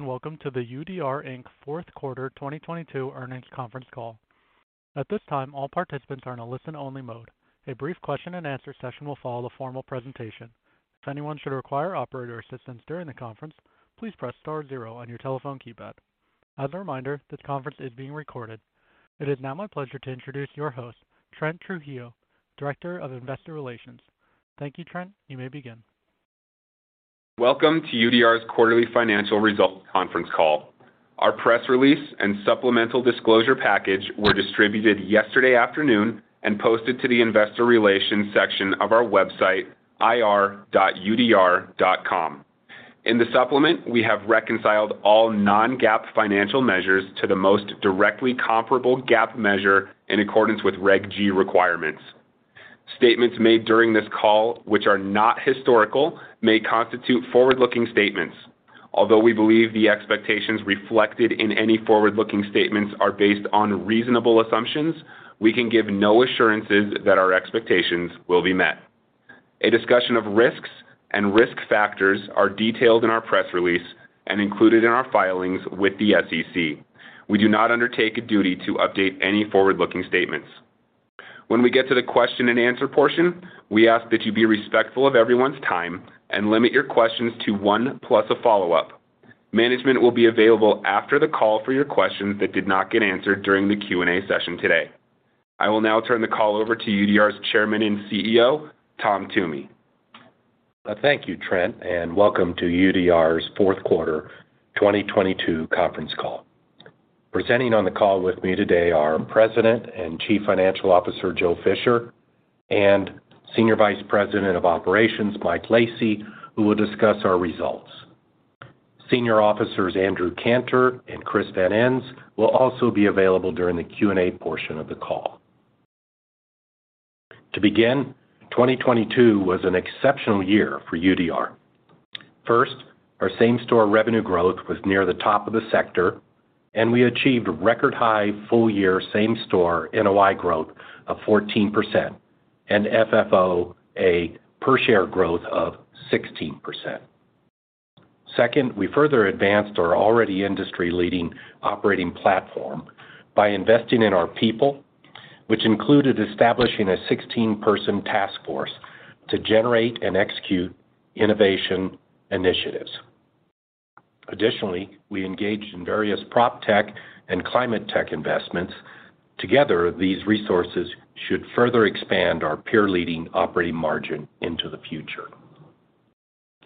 Welcome to the UDR Inc.'s Q4 2022 Earnings Conference Call. At this time, all participants are in a listen-only mode. A brief question-and-answer session will follow the formal presentation. If anyone should require operator assistance during the conference, please press star zero on your telephone keypad. As a reminder, this conference is being recorded. It is now my pleasure to introduce your host, Trent Trujillo, Director of Investor Relations. Thank you, Trent. You may begin. Welcome to UDR's quarterly financial results conference call. Our press release and supplemental disclosure package were distributed yesterday afternoon and posted to the investor relations section of our website, ir.udr.com. In the supplement, we have reconciled all non-GAAP financial measures to the most directly comparable GAAP measure in accordance with Reg G requirements. Statements made during this call, which are not historical, may constitute forward-looking statements. Although we believe the expectations reflected in any forward-looking statements are based on reasonable assumptions, we can give no assurances that our expectations will be met. A discussion of risks and risk factors are detailed in our press release and included in our filings with the SEC. We do not undertake a duty to update any forward-looking statements. When we get to the question-and-answer portion, we ask that you be respectful of everyone's time and limit your questions to one plus a follow-up. Management will be available after the call for your questions that did not get answered during the Q&A session today. I will now turn the call over to UDR's Chairman and CEO, Tom Toomey. Thank you, Trent, and welcome to UDR's Q4 2022 Conference Call. Presenting on the call with me today are President and Chief Financial Officer, Joe Fisher, and Senior Vice President of Operations, Mike Lacy, who will discuss our results. Senior Officers Andrew Cantor and Chris Van Ens will also be available during the Q&A portion of the call. To begin, 2022 was an exceptional year for UDR. First, our same-store revenue growth was near the top of the sector, and we achieved record high full-year same-store NOI growth of 14% and FFOA per share growth of 16%. Second, we further advanced our already industry-leading operating platform by investing in our people, which included establishing a 16-person task force to generate and execute innovation initiatives. Additionally, we engaged in various proptech and climate tech investments. Together, these resources should further expand our peer leading operating margin into the future.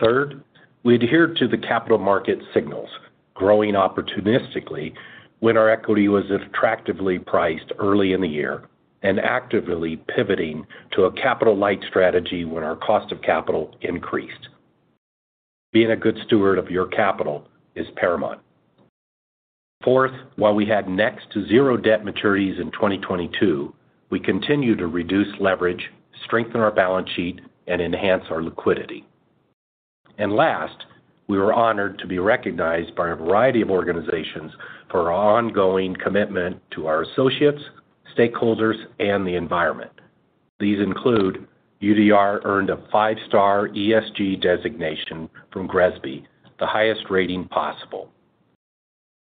Third, we adhere to the capital market signals, growing opportunistically when our equity was attractively priced early in the year and actively pivoting to a capital-light strategy when our cost of capital increased. Being a good steward of your capital is paramount. Fourth, while we had next to zero debt maturities in 2022, we continue to reduce leverage, strengthen our balance sheet and enhance our liquidity. Last, we were honored to be recognized by a variety of organizations for our ongoing commitment to our associates, stakeholders, and the environment. These include UDR earned a 5-star ESG designation from GRESB, the highest rating possible.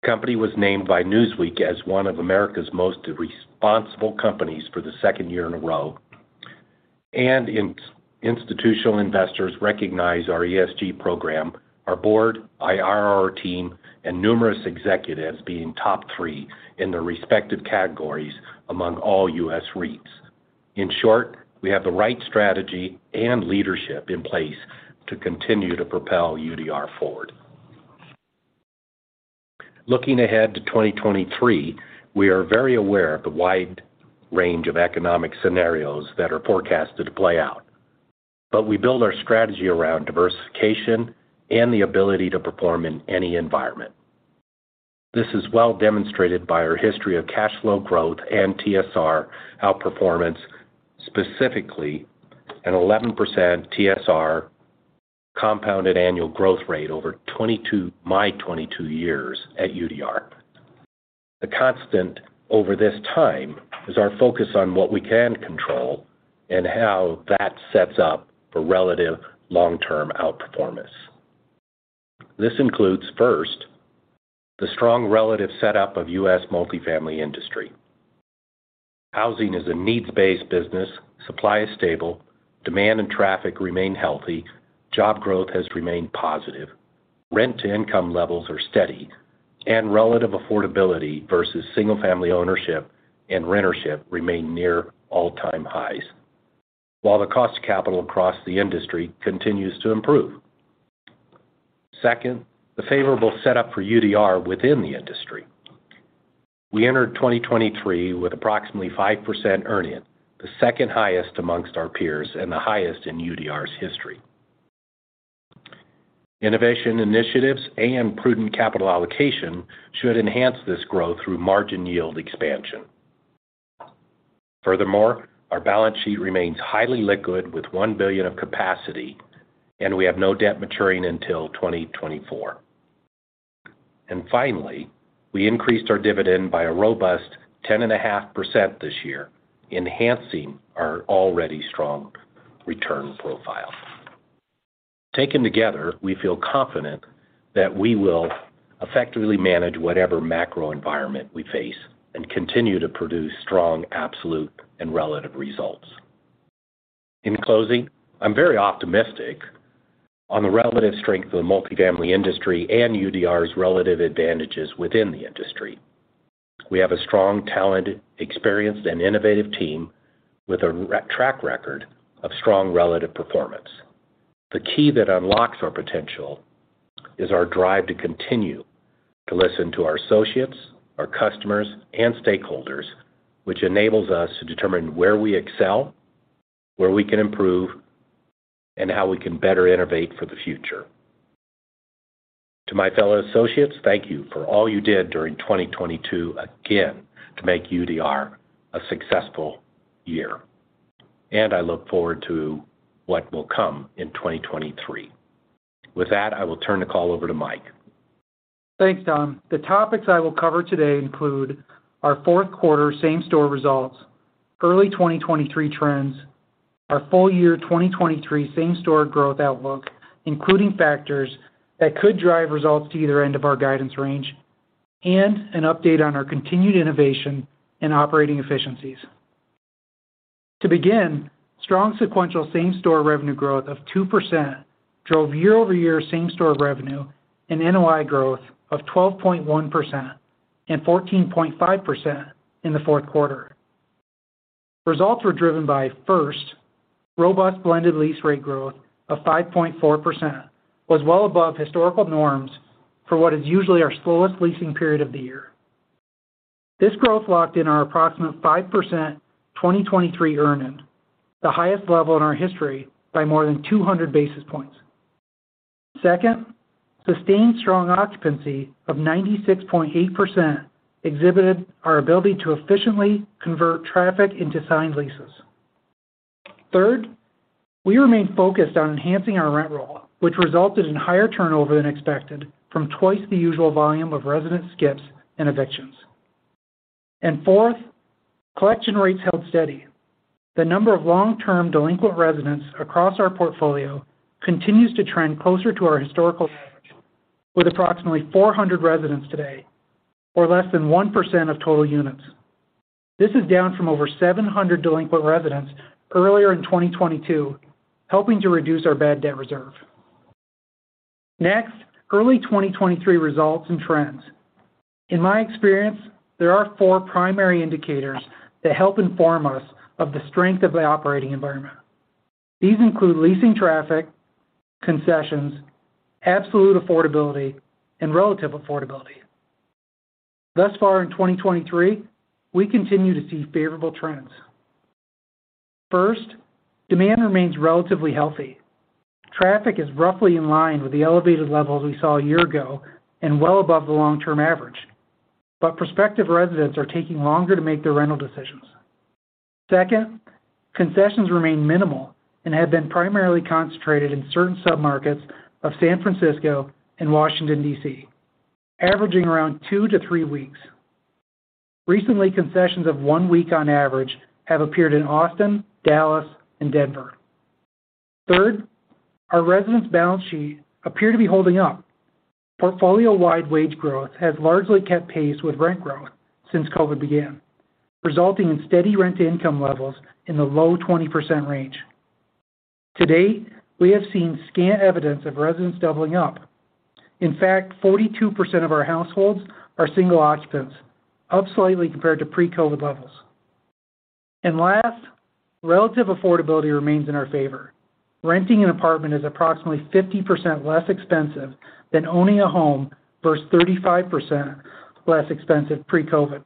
Company was named by Newsweek as one of America's most responsible companies for the 2nd year in a row. Institutional investors recognize our ESG program, our board, IRR team, and numerous executives being top 3 in their respective categories among all U.S. REITs. In short, we have the right strategy and leadership in place to continue to propel UDR forward. Looking ahead to 2023, we are very aware of the wide range of economic scenarios that are forecasted to play out, but we build our strategy around diversification and the ability to perform in any environment. This is well demonstrated by our history of cash flow growth and TSR outperformance, specifically an 11% TSR compounded annual growth rate over my 22 years at UDR. The constant over this time is our focus on what we can control and how that sets up for relative long-term outperformance. This includes, first, the strong relative setup of U.S. multifamily industry. Housing is a needs-based business. Supply is stable. Demand and traffic remain healthy. Job growth has remained positive. Rent-to-income levels are steady. Relative affordability versus single-family ownership and rentership remain near all-time highs, while the cost of capital across the industry continues to improve. Second, the favorable setup for UDR within the industry. We entered 2023 with approximately 5% earning, the second highest amongst our peers and the highest in UDR's history. Innovation initiatives and prudent capital allocation should enhance this growth through margin yield expansion. Furthermore, our balance sheet remains highly liquid with $1 billion of capacity, and we have no debt maturing until 2024. Finally, we increased our dividend by a robust 10.5% this year, enhancing our already strong-return profile. Taken together, we feel confident that we will effectively manage whatever macro environment we face and continue to produce strong absolute and relative results. In closing, I'm very optimistic on the relative strength of the multifamily industry and UDR's relative advantages within the industry. We have a strong, talented, experienced, and innovative team with a track record of strong relative performance. The key that unlocks our potential is our drive to continue to listen to our associates, our customers, and stakeholders, which enables us to determine where we excel, where we can improve, and how we can better innovate for the future. To my fellow associates, thank you for all you did during 2022 again to make UDR a successful year, and I look forward to what will come in 2023. With that, I will turn the call over to Mike. Thanks, Tom. The topics I will cover today include our Q4 same-store results, early 2023 trends, our full year 2023 same-store growth outlook, including factors that could drive results to either end of our guidance range, and an update on our continued innovation and operating efficiencies. To begin, strong sequential same-store revenue growth of 2% drove year-over-year same-store revenue and NOI growth of 12.1% and 14.5% in the Q4. Results were driven by, first, robust blended lease rate growth of 5.4% was well above historical norms for what is usually our slowest leasing period of the year. This growth locked in our approximate 5% 2023 earning, the highest level in our history by more than 200 basis points. Second, sustained strong occupancy of 96.8% exhibited our ability to efficiently convert traffic into signed leases. Third, we remain focused on enhancing our rent roll, which resulted in higher turnover than expected from twice the usual volume of resident skips and evictions. Fourth, collection rates held steady. The number of long-term delinquent residents across our portfolio continues to trend closer to our historical average with approximately 400 residents today, or less than 1% of total units. This is down from over 700 delinquent residents earlier in 2022, helping to reduce our bad debt reserve. Next, early 2023 results and trends. In my experience, there are four primary indicators that help inform us of the strength of the operating environment. These include leasing traffic, concessions, absolute affordability, and relative affordability. Thus far in 2023, we continue to see favorable trends. First, demand remains relatively healthy. Traffic is roughly in line with the elevated levels we saw a year ago and well above the long-term average, but prospective residents are taking longer to make their rental decisions. Second, concessions remain minimal and have been primarily concentrated in certain submarkets of San Francisco and Washington, D.C., averaging around two to three weeks. Recently, concessions of one week on average have appeared in Austin, Dallas, and Denver. Third, our residents' balance sheet appear to be holding up. Portfolio-wide wage growth has largely kept pace with rent growth since COVID began, resulting in steady rent income levels in the low 20% range. To date, we have seen scant evidence of residents doubling up. In fact, 42% of our households are single occupants, up slightly compared to pre-COVID levels. Last, relative affordability remains in our favor. Renting an apartment is approximately 50% less expensive than owning a home versus 35% less expensive pre-COVID.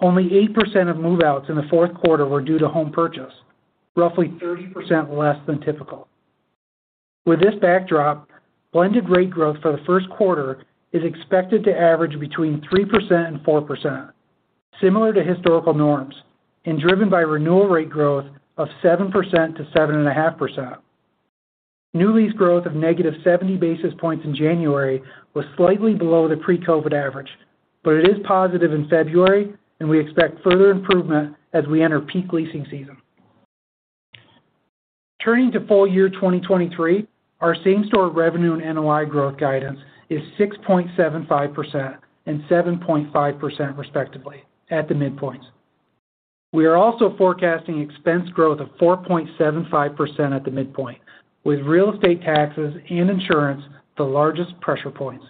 Only 8% of move-outs in the Q4 were due to home purchase, roughly 30% less than typical. With this backdrop, blended rate growth for the Q1 is expected to average between 3% and 4%, similar to historical norms and driven by renewal rate growth of 7% to 7.5%. New lease growth of negative 70 basis points in January was slightly below the pre-COVID average, but it is positive in February and we expect further improvement as we enter peak leasing season. Turning to full year 2023, our same-store revenue and NOI growth guidance is 6.75% and 7.5% respectively at the midpoints. We are also forecasting expense growth of 4.75% at the midpoint, with real estate taxes and insurance the largest pressure points.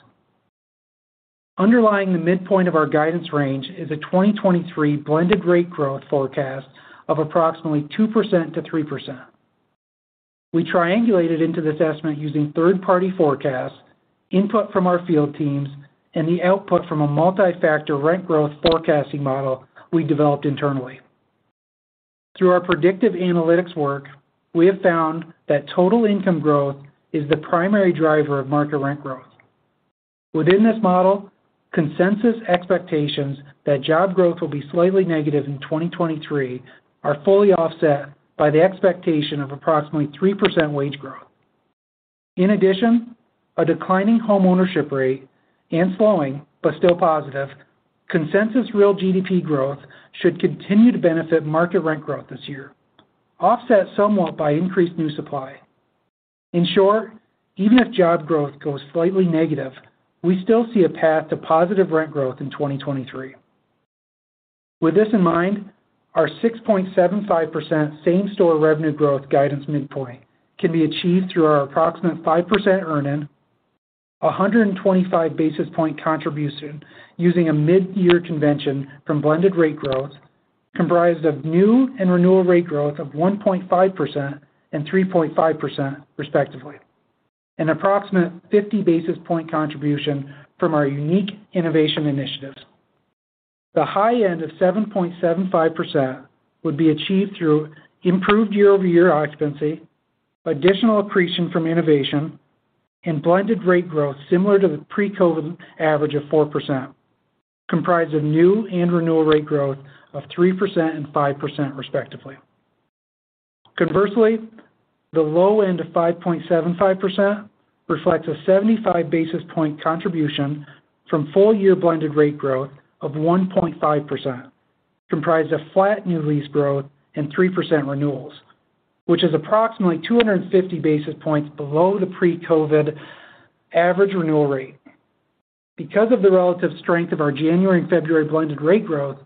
Underlying the midpoint of our guidance range is a 2023 blended rate growth forecast of approximately 2%-3%. We triangulated into this estimate using third-party forecasts, input from our field teams, and the output from a multi-factor rent growth forecasting model we developed internally. Through our predictive analytics work, we have found that total income growth is the primary driver of market rent growth. Within this model, consensus expectations that job growth will be slightly negative in 2023 are fully offset by the expectation of approximately 3% wage growth. A declining homeownership rate and slowing, but still positive consensus real GDP growth should continue to benefit market rent growth this year, offset somewhat by increased new supply. In short, even if job growth goes slightly negative, we still see a path to positive rent growth in 2023. With this in mind, our 6.75% same-store revenue growth guidance midpoint can be achieved through our approximate 5% earn in 125 basis point contribution using a mid-year convention from blended rate growth comprised of new and renewal rate growth of 1.5% and 3.5% respectively. An approximate 50 basis point contribution from our unique innovation initiatives. The high end of 7.75% would be achieved through improved year-over-year occupancy, additional accretion from innovation, and blended rate growth similar to the pre-COVID average of 4%, comprised of new and renewal rate growth of 3% and 5% respectively. Conversely, the low end of 5.75% reflects a 75 basis point contribution from full year blended rate growth of 1.5%, comprised of flat new lease growth and 3% renewals, which is approximately 250 basis points below the pre-COVID average renewal rate. Because of the relative strength of our January and February blended rate growth,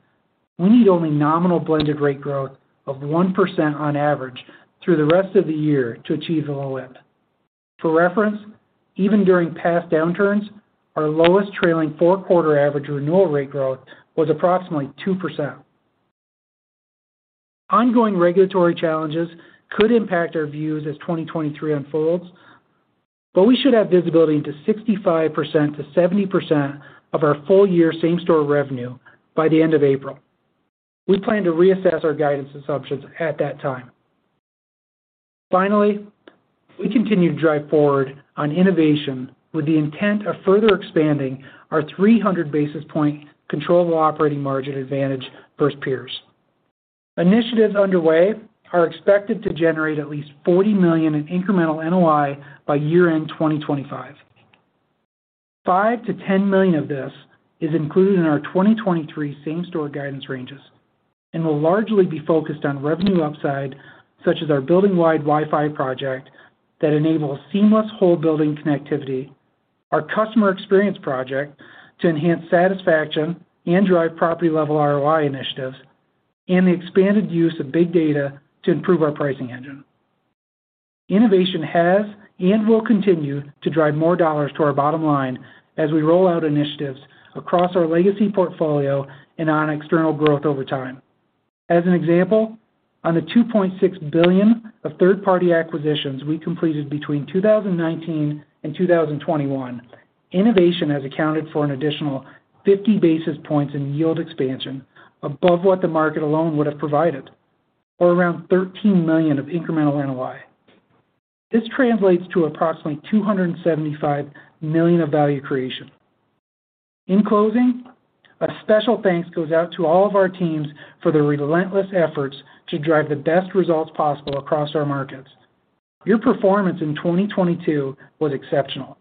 we need only nominal blended rate growth of 1% on average through the rest of the year to achieve the low end. For reference, even during past downturns, our lowest trailing four quarter average renewal rate growth was approximately 2%. Ongoing regulatory challenges could impact our views as 2023 unfolds, but we should have visibility into 65%-70% of our full year same-store revenue by the end of April. We plan to reassess our guidance assumptions at that time. We continue to drive forward on innovation with the intent of further expanding our 300 basis point controllable operating margin advantage versus peers. Initiatives underway are expected to generate at least $40 million in incremental NOI by year-end 2025. $5 million-$10 million of this is included in our 2023 same-store guidance ranges and will largely be focused on revenue upside, such as our building-wide Wi-Fi project that enables seamless whole building connectivity, our customer experience project to enhance satisfaction and drive property level ROI initiatives, and the expanded use of big data to improve our pricing engine. Innovation has and will continue to drive more dollars to our bottom line as we roll out initiatives across our legacy portfolio and on external growth over time. As an example, on the $2.6 billion of third-party acquisitions we completed between 2019 and 2021, innovation has accounted for an additional 50 basis points in yield expansion above what the market alone would have provided, or around $13 million of incremental NOI. This translates to approximately $275 million of value creation. In closing, a special thanks goes out to all of our teams for their relentless efforts to drive the best results possible across our markets. Your performance in 2022 was exceptional.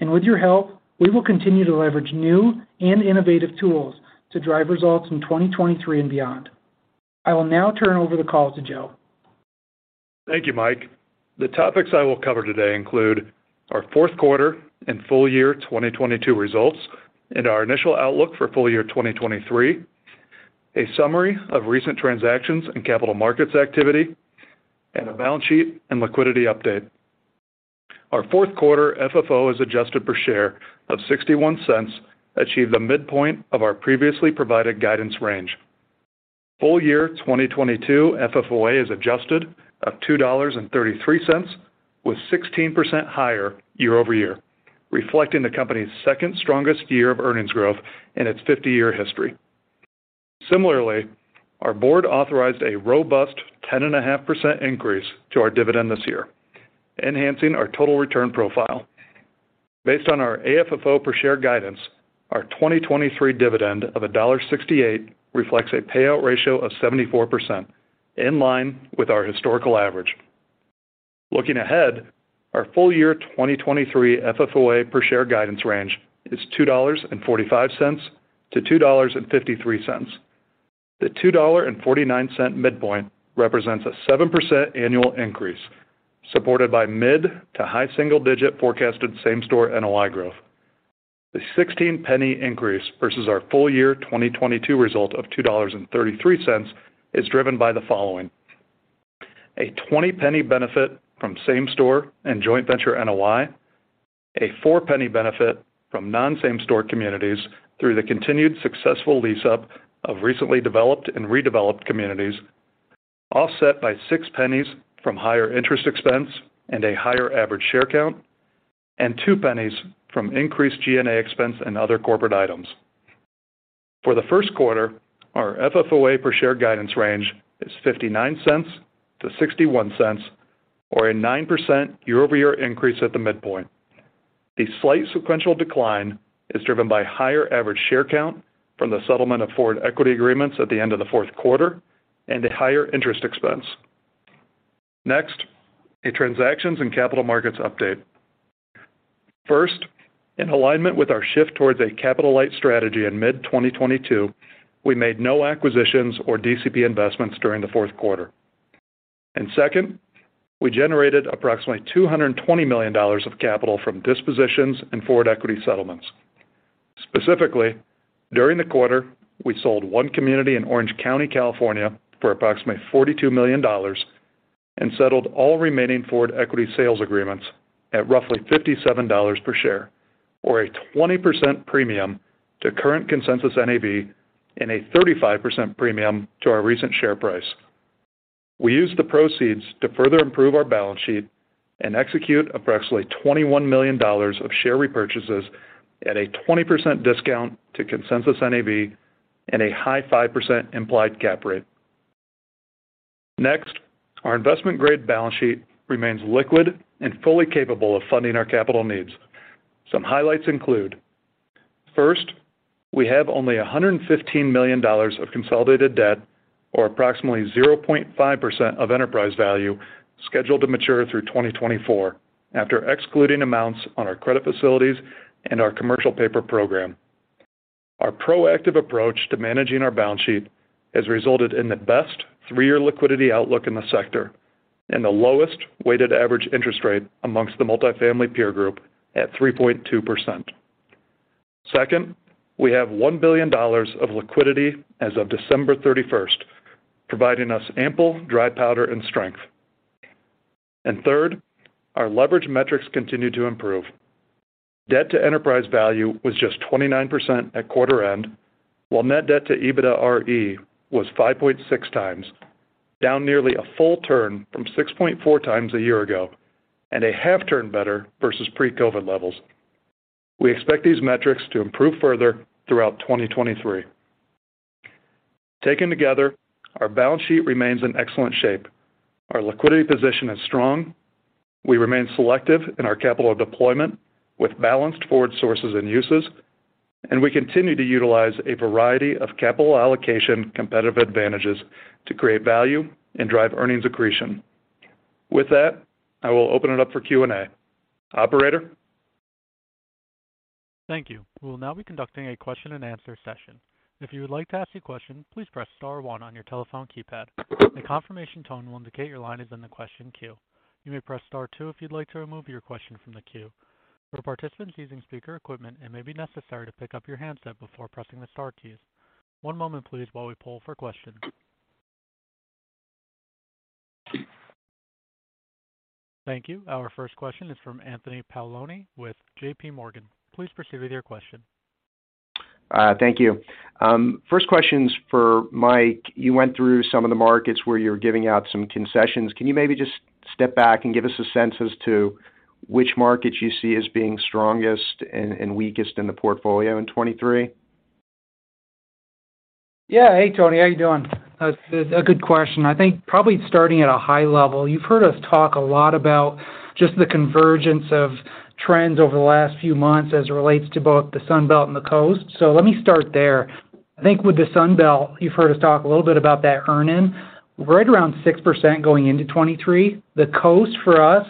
With your help, we will continue to leverage new and innovative tools to drive results in 2023 and beyond. I will now turn over the call to Joe. Thank you, Mike. The topics I will cover today include our Q4 and full year 2022 results and our initial outlook for full year 2023, a summary of recent transactions and capital markets activity, and a balance sheet and liquidity update. Our Q4 FFO as adjusted per share of $0.61 achieved the midpoint of our previously provided guidance range. Full year 2022 FFOA as adjusted of $2.33 was 16% higher year-over-year, reflecting the company's second strongest year of earnings growth in its 50-year history. Similarly, our board authorized a robust 10.5% increase to our dividend this year, enhancing our total return profile. Based on our AFFO per share guidance, our 2023 dividend of $1.68 reflects a payout ratio of 74%, in line with our historical average. Looking ahead, our full year 2023 FFOA per share guidance range is $2.45-$2.53. The $2.49 midpoint represents a 7% annual increase, supported by mid to high single digit forecasted same-store NOI growth. The $0.16 increase versus our full year 2022 result of $2.33 is driven by the following. A $0.20 benefit from same store and joint venture NOI. A $0.04 benefit from non-same store communities through the continued successful lease-up of recently developed and redeveloped communities, offset by $0.06 from higher interest expense and a higher average share count, and $0.02 from increased G&A expense and other corporate items. For the Q1, our FFOA per share guidance range is $0.59-$0.61 or a 9% year-over-year increase at the midpoint. The slight sequential decline is driven by higher average share count from the settlement of forward equity agreements at the end of the Q4 and a higher interest expense. Next, a transactions and capital markets update. First, in alignment with our shift towards a capital-light strategy in mid-2022, we made no acquisitions or DCP investments during the Q4. Second, we generated approximately $220 million of capital from dispositions and forward equity settlements. Specifically, during the quarter, we sold one community in Orange County, California, for approximately $42 million and settled all remaining forward equity sales agreements at roughly $57 per share or a 20% premium to current consensus NAV and a 35% premium to our recent share price. We used the proceeds to further improve our balance sheet and execute approximately $21 million of share repurchases at a 20% discount to consensus NAV and a high 5% implied cap rate. Next, our investment grade balance sheet remains liquid and fully capable of funding our capital needs. Some highlights include, first, we have only $115 million of consolidated debt or approximately 0.5% of enterprise value scheduled to mature through 2024 after excluding amounts on our credit facilities and our commercial paper program. Our proactive approach to managing our balance sheet has resulted in the best three-year liquidity outlook in the sector and the lowest weighted average interest rate amongst the multifamily peer group at 3.2%. Second, we have $1 billion of liquidity as of December 31st, providing us ample dry powder and strength. Third, our leverage metrics continue to improve. Debt to enterprise value was just 29% at quarter end, while net debt to EBITDAre was 5.6x, down nearly a full turn from 6.4x a year ago and a half turn better versus pre-COVID levels. We expect these metrics to improve further throughout 2023. Taken together, our balance sheet remains in excellent shape. Our liquidity position is strong. We remain selective in our capital deployment with balanced forward sources and uses, and we continue to utilize a variety of capital allocation competitive advantages to create value and drive earnings accretion. With that, I will open it up for Q&A. Operator? Thank you. We'll now be conducting a question-and-answer session. If you would like to ask a question, please press star one on your telephone keypad. A confirmation tone will indicate your line is in the question queue. You may press star two if you'd like to remove your question from the queue. For participants using speaker equipment, it may be necessary to pick up your handset before pressing the star keys. One moment please while we poll for questions. Thank you. Our first question is from Anthony Paolone with JPMorgan. Please proceed with your question. Thank you. First question's for Mike. You went through some of the markets where you're giving out some concessions. Can you maybe just step back and give us a sense as to which markets you see as being strongest and weakest in the portfolio in 23? Yeah. Hey, Tony, how you doing? That's a good question. I think probably starting at a high level, you've heard us talk a lot about just the convergence of trends over the last few months as it relates to both the Sun Belt and the Coast. Let me start there. I think with the Sun Belt, you've heard us talk a little bit about that earn-in, right around 6% going into 23. The Coast for us,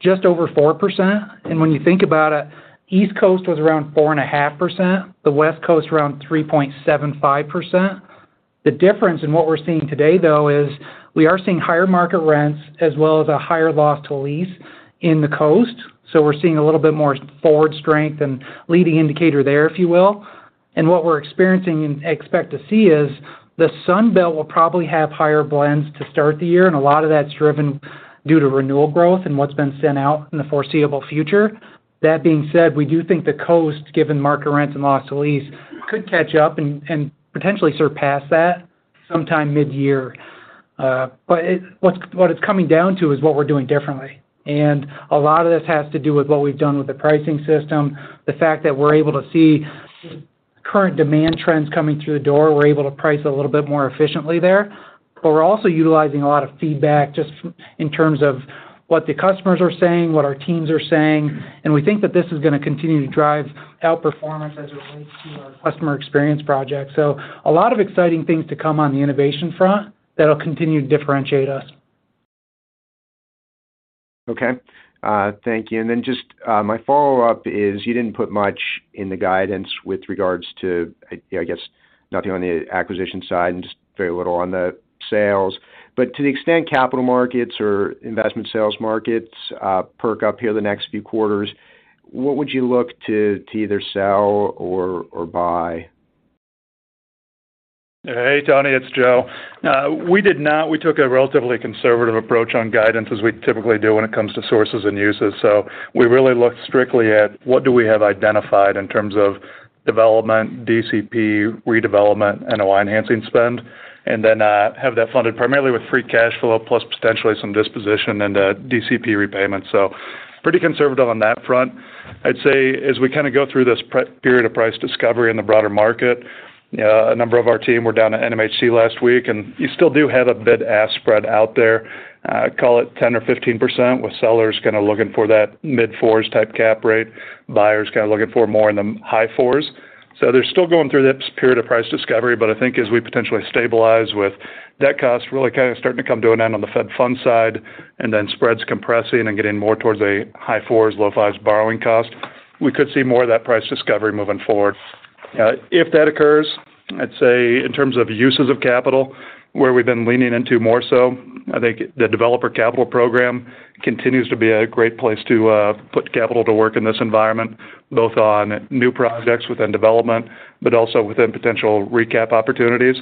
just over 4%. When you think about it, East Coast was around 4.5%, the West Coast around 3.75%. The difference in what we're seeing today, though, is we are seeing higher market rents as well as a higher loss to lease in the Coast. We're seeing a little bit more forward strength and leading indicator there, if you will. What we're experiencing and expect to see is the Sun Belt will probably have higher blends to start the year, and a lot of that's driven due to renewal growth and what's been sent out in the foreseeable future. That being said, we do think the Coast, given market rents and loss to lease, could catch up and potentially surpass that sometime mid-year. What it's coming down to is what we're doing differently. A lot of this has to do with what we've done with the pricing system, the fact that we're able to see current demand trends coming through the door, we're able to price a little bit more efficiently there. We're also utilizing a lot of feedback in terms of what the customers are saying, what our teams are saying, and we think that this is gonna continue to drive outperformance as it relates to our customer experience project. A lot of exciting things to come on the innovation front that'll continue to differentiate us. Okay. thank you. Just, my follow-up is you didn't put much in the guidance with regards to, I, you know, I guess nothing on the acquisition side and just very little on the sales. To the extent capital markets or investment sales markets perk up here the next few quarters, what would you look to either sell or buy? Hey, Tony. It's Joe. We did not. We took a relatively conservative approach on guidance as we typically do when it comes to sources and uses. We really looked strictly at what do we have identified in terms of development, DCP, redevelopment, NOI enhancing spend, and then have that funded primarily with free cash flow plus potentially some disposition and DCP repayment. Pretty conservative on that front. I'd say as we kind of go through this period of price discovery in the broader market, a number of our team were down at NMHC last week, you still do have a bid-ask spread out there, call it 10% or 15%, with sellers kind of looking for that mid-fours type cap rate, buyers kind of looking for more in the high fours. They're still going through this period of price discovery, but I think as we potentially stabilize with debt costs really kind of starting to come to an end on the Fed Funds side, then spreads compressing and getting more towards a high fours, low fives borrowing cost, we could see more of that price discovery moving forward. If that occurs, I'd say in terms of uses of capital, where we've been leaning into more so, I think the developer capital program continues to be a great place to put capital to work in this environment, both on new projects within development, but also within potential recap opportunities.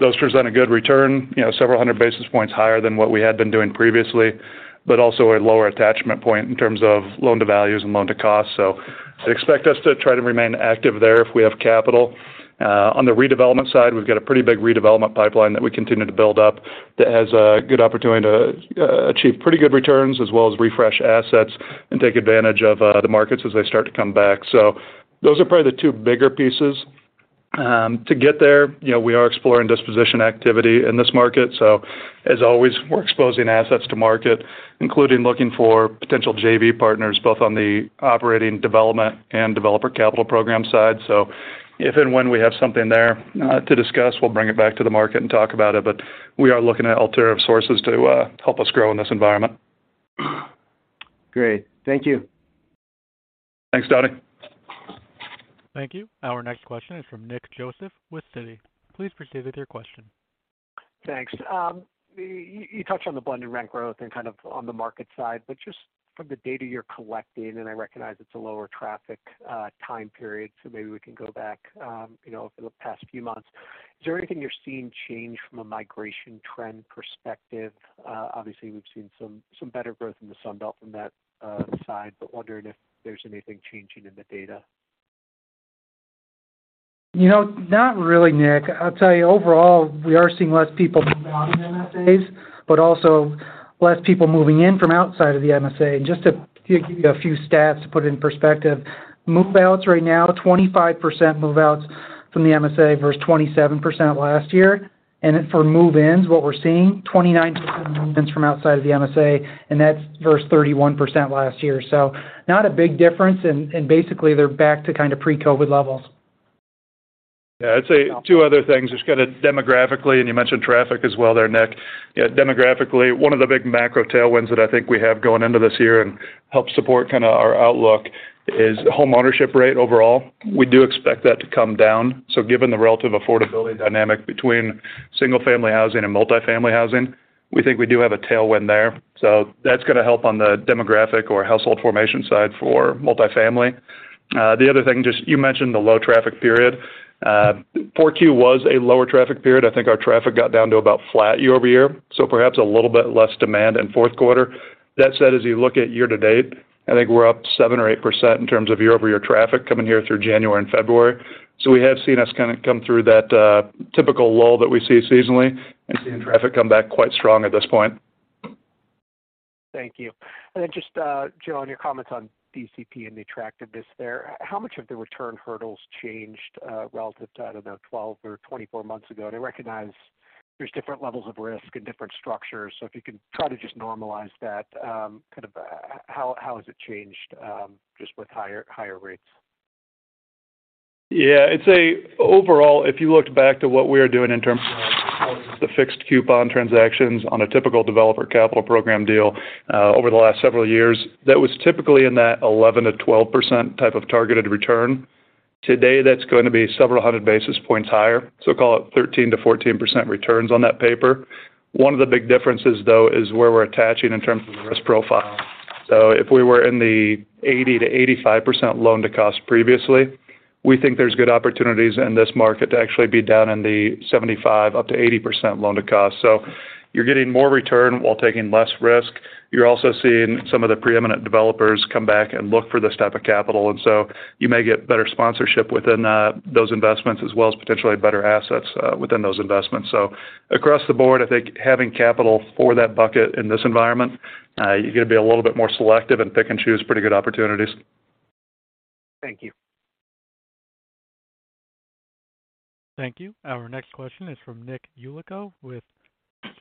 Those present a good return, you know, several hundred basis points higher than what we had been doing previously, but also a lower attachment point in terms of loan-to-values and loan-to-cost. Expect us to try to remain active there if we have capital. On the redevelopment side, we've got a pretty big redevelopment pipeline that we continue to build up that has a good opportunity to achieve pretty good returns as well as refresh assets and take advantage of the markets as they start to come back. Those are probably the two bigger pieces. To get there, you know, we are exploring disposition activity in this market. As always, we're exposing assets to market, including looking for potential JV partners, both on the operating development and developer capital program side. If and when we have something there to discuss, we'll bring it back to the market and talk about it. We are looking at alternative sources to help us grow in this environment. Great. Thank you. Thanks, Tony. Thank you. Our next question is from Nick Joseph with Citi. Please proceed with your question. Thanks. You touched on the blended rent growth and kind of on the market side, but just from the data you're collecting, and I recognize it's a lower traffic, time period, so maybe we can go back, you know, over the past few months. Is there anything you're seeing change from a migration trend perspective? Obviously, we've seen some better growth in the Sun Belt from that, side, but wondering if there's anything changing in the data. You know, not really, Nick. I'll tell you overall, we are seeing less people move out of MSAs, also less people moving in from outside of the MSA. Just to give you a few stats to put it in perspective, move-outs right now, 25% move-outs from the MSA versus 27% last year. For move-ins, what we're seeing, 29% move-ins from outside of the MSA, and that's versus 31% last year. Not a big difference. Basically they're back to kind of pre-COVID levels. Yeah. I'd say two other things. Just kinda demographically, and you mentioned traffic as well there, Nick. Demographically, one of the big macro tailwinds that I think we have going into this year and help support kinda our outlook is homeownership rate overall. We do expect that to come down. Given the relative affordability dynamic between single-family housing and multifamily housing, we think we do have a tailwind there. That's gonna help on the demographic or household formation side for multifamily. The other thing, just you mentioned the low traffic period. Q4 was a lower traffic period. I think our traffic got down to about flat year-over-year, so perhaps a little bit less demand in Q4. That said, as you look at year-to-date, I think we're up 7% or 8% in terms of year-over-year traffic coming here through January and February.We have seen us kinda come through that, typical lull that we see seasonally and seeing traffic come back quite strong at this point. Thank you. Just Joe, on your comments on DCP and the attractiveness there, how much have the return hurdles changed, relative to, I don't know, 12 or 24 months ago? I recognize there's different levels of risk and different structures. If you can try to just normalize that, kind of how has it changed, just with higher rates? I'd say overall, if you looked back to what we were doing in terms of the fixed coupon transactions on a typical developer capital program deal over the last several years, that was typically in that 11%-12% type of targeted return. Today, that's going to be several hundred basis points higher. Call it 13%-14% returns on that paper. One of the big differences, though, is where we're attaching in terms of the risk profile. If we were in the 80%-85% loan-to-cost previously, we think there's good opportunities in this market to actually be down in the 75% up to 80% loan-to-cost. You're getting more return while taking less risk. You're also seeing some of the preeminent developers come back and look for this type of capital. You may get better sponsorship within those investments, as well as potentially better assets within those investments. Across the board, I think having capital for that bucket in this environment, you're gonna be a little bit more selective and pick and choose pretty good opportunities. Thank you. Thank you. Our next question is from Nick Yulico with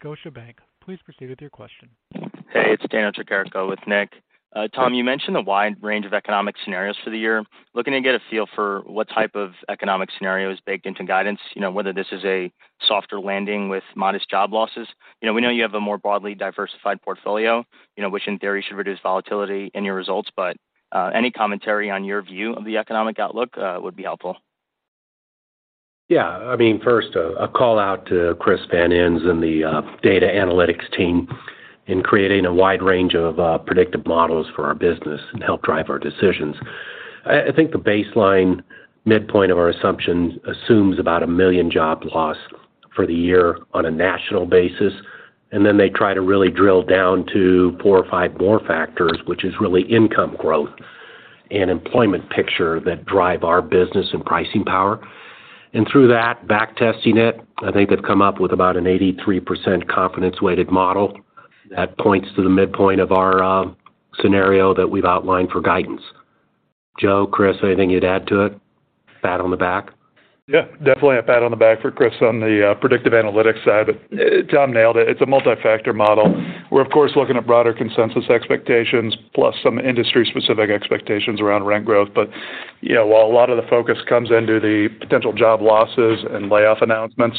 Scotiabank. Please proceed with your question. Hey, it's Daniel Tricarico with Nick. Tom, you mentioned the wide range of economic scenarios for the year. Looking to get a feel for what type of economic scenario is baked into guidance, you know, whether this is a softer landing with modest job losses. You know, we know you have a more broadly diversified portfolio, you know, which in theory should reduce volatility in your results, but, any commentary on your view of the economic outlook would be helpful. Yeah. I mean, first, a call-out to Chris Van Ens and the data analytics team in creating a wide range of predictive models for our business and help drive our decisions. I think the baseline midpoint of our assumptions assumes about 1 million job loss for the year on a national basis, and then they try to really drill down to 4 or 5 more factors, which is really income growth and employment picture that drive our business and pricing power. Through that, back-testing it, I think they've come up with about an 83% confidence-weighted model that points to the midpoint of our scenario that we've outlined for guidance. Joe, Chris, anything you'd add to it? Pat on the back? Yeah, definitely a pat on the back for Chris on the predictive analytics side. Tom nailed it. It's a multi-factor model. We're of course, looking at broader consensus expectations plus some industry specific expectations around rent growth. You know, while a lot of the focus comes into the potential job losses and layoff announcements,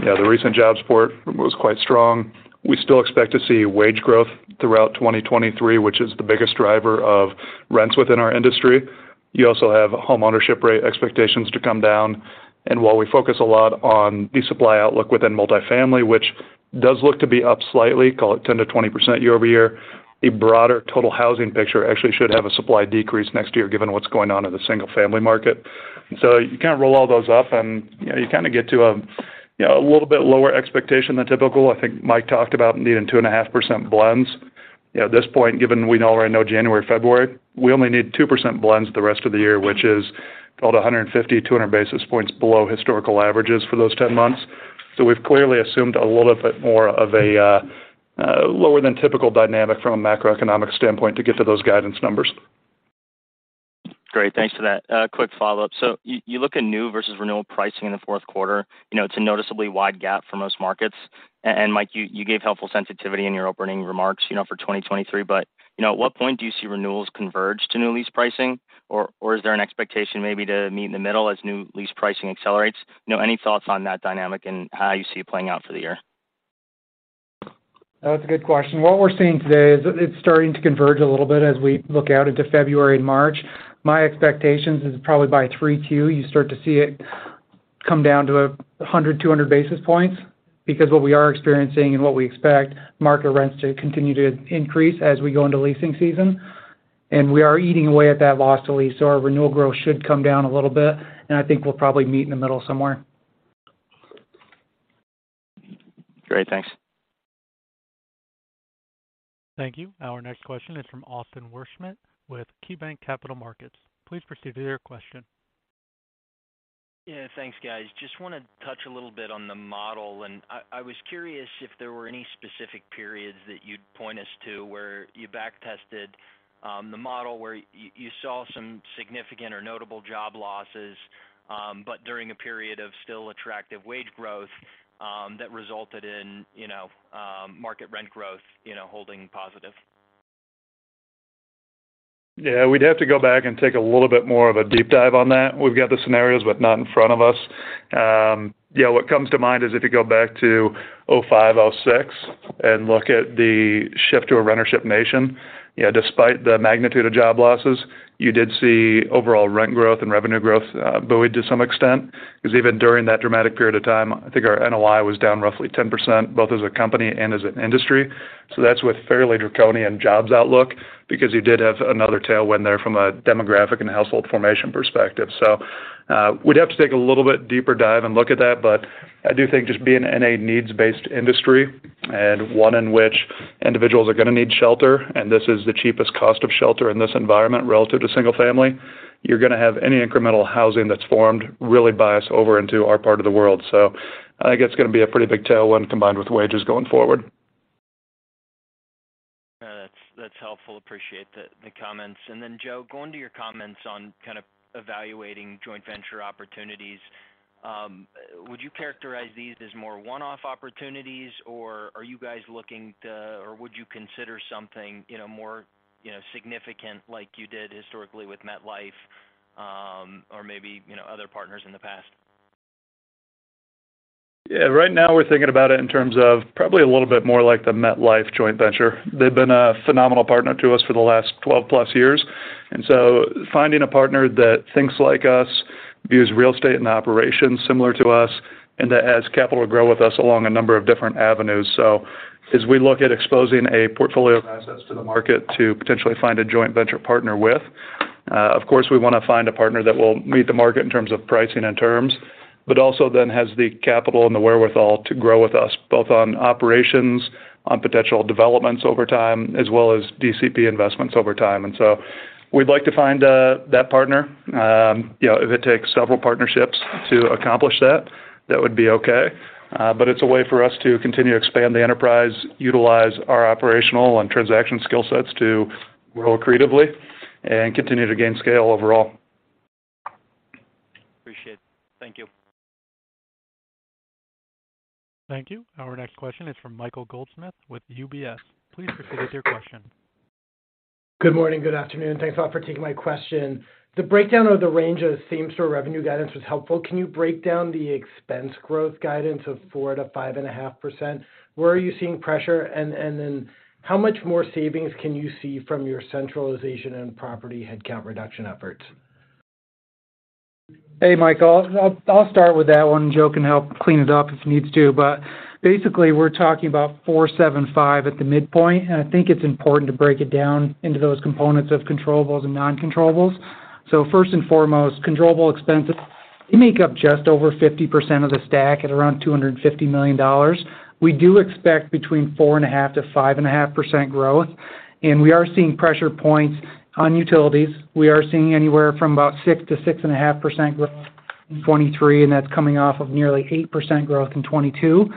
you know, the recent jobs report was quite strong. We still expect to see wage growth throughout 2023, which is the biggest driver of rents within our industry. You also have homeownership rate expectations to come down. While we focus a lot on the supply outlook within multifamily, which does look to be up slightly, call it 10%-20% year-over-year, a broader total housing picture actually should have a supply decrease next year given what's going on in the single-family market. You kind of roll all those up and, you know, you kind of get to a, you know, a little bit lower expectation than typical. I think Mike talked about needing 2.5% blends. You know, at this point, given we know right now January, February, we only need 2% blends the rest of the year, which is called 150-200 basis points below historical averages for those 10 months. We've clearly assumed a little bit more of a lower than typical dynamic from a macroeconomic standpoint to get to those guidance numbers. Great. Thanks for that. A quick follow-up. You look at new versus renewal pricing in the Q4. You know, it's a noticeably wide gap for most markets. Mike, you gave helpful sensitivity in your opening remarks, you know, for 2023. You know, at what point do you see renewals converge to new lease pricing? Is there an expectation maybe to meet in the middle as new lease pricing accelerates? You know, any thoughts on that dynamic and how you see it playing out for the year? That's a good question. What we're seeing today is it's starting to converge a little bit as we look out into February and March. My expectations is probably by Q3, you start to see it come down to 100, 200 basis points because what we are experiencing and what we expect market rents to continue to increase as we go into leasing season. We are eating away at that loss to lease. Our renewal growth should come down a little bit, and I think we'll probably meet in the middle somewhere. Great. Thanks. Thank you. Our next question is from Austin Wurschmidt with KeyBanc Capital Markets. Please proceed with your question. Yeah, thanks, guys. Just wanna touch a little bit on the model, and I was curious if there were any specific periods that you'd point us to where you back-tested the model where you saw some significant or notable job losses, but during a period of still attractive wage growth, that resulted in, you know, market rent growth, you know, holding positive. We'd have to go back and take a little bit more of a deep dive on that. We've got the scenarios, but not in front of us. What comes to mind is if you go back to 2005, 2006 and look at the shift to a rentership nation, you know, despite the magnitude of job losses, you did see overall rent growth and revenue growth, buoyed to some extent. 'Cause even during that dramatic period of time, I think our NOI was down roughly 10%, both as a company and as an industry. That's with fairly draconian jobs outlook because you did have another tailwind there from a demographic and household formation perspective. We'd have to take a little bit deeper dive and look at that. I do think just being in a needs-based industry and one in which individuals are gonna need shelter, and this is the cheapest cost of shelter in this environment relative to single family, you're gonna have any incremental housing that's formed really bias over into our part of the world. I think it's gonna be a pretty big tailwind combined with wages going forward. Yeah, that's helpful. Appreciate the comments. Joe, going to your comments on kind of evaluating joint venture opportunities, would you characterize these as more one-off opportunities, or are you guys looking to, or would you consider something, you know, more, you know, significant like you did historically with MetLife, or maybe, you know, other partners in the past? Right now we're thinking about it in terms of probably a little bit more like the MetLife joint venture. They've been a phenomenal partner to us for the last 12+ years, and so finding a partner that thinks like us, views real estate and operations similar to us, and that has capital to grow with us along a number of different avenues. As we look at exposing a portfolio of assets to the market to potentially find a joint venture partner with, of course, we wanna find a partner that will meet the market in terms of pricing and terms, but also then has the capital and the wherewithal to grow with us, both on operations, on potential developments over time, as well as DCP investments over time. We'd like to find that partner. You know, if it takes several partnerships to accomplish that would be okay. It's a way for us to continue to expand the enterprise, utilize our operational and transaction skill sets to grow creatively and continue to gain scale overall. Appreciate it. Thank you. Thank you. Our next question is from Michael Goldsmith with UBS. Please proceed with your question. Good morning. Good afternoon. Thanks all for taking my question. The breakdown of the range of same-store revenue guidance was helpful. Can you break down the expense growth guidance of 4% to 5.5%? Where are you seeing pressure? How much more savings can you see from your centralization and property headcount reduction efforts? Hey, Michael. I'll start with that one. Joe can help clean it up if he needs to. Basically, we're talking about 475 at the midpoint, and I think it's important to break it down into those components of controllables and non-controllables. First and foremost, controllable expenses, they make up just over 50% of the stack at around $250 million. We do expect between 4.5%-5.5% growth, and we are seeing pressure points on utilities. We are seeing anywhere from about 6%-6.5% growth in 2023, and that's coming off of nearly 8% growth in 2022.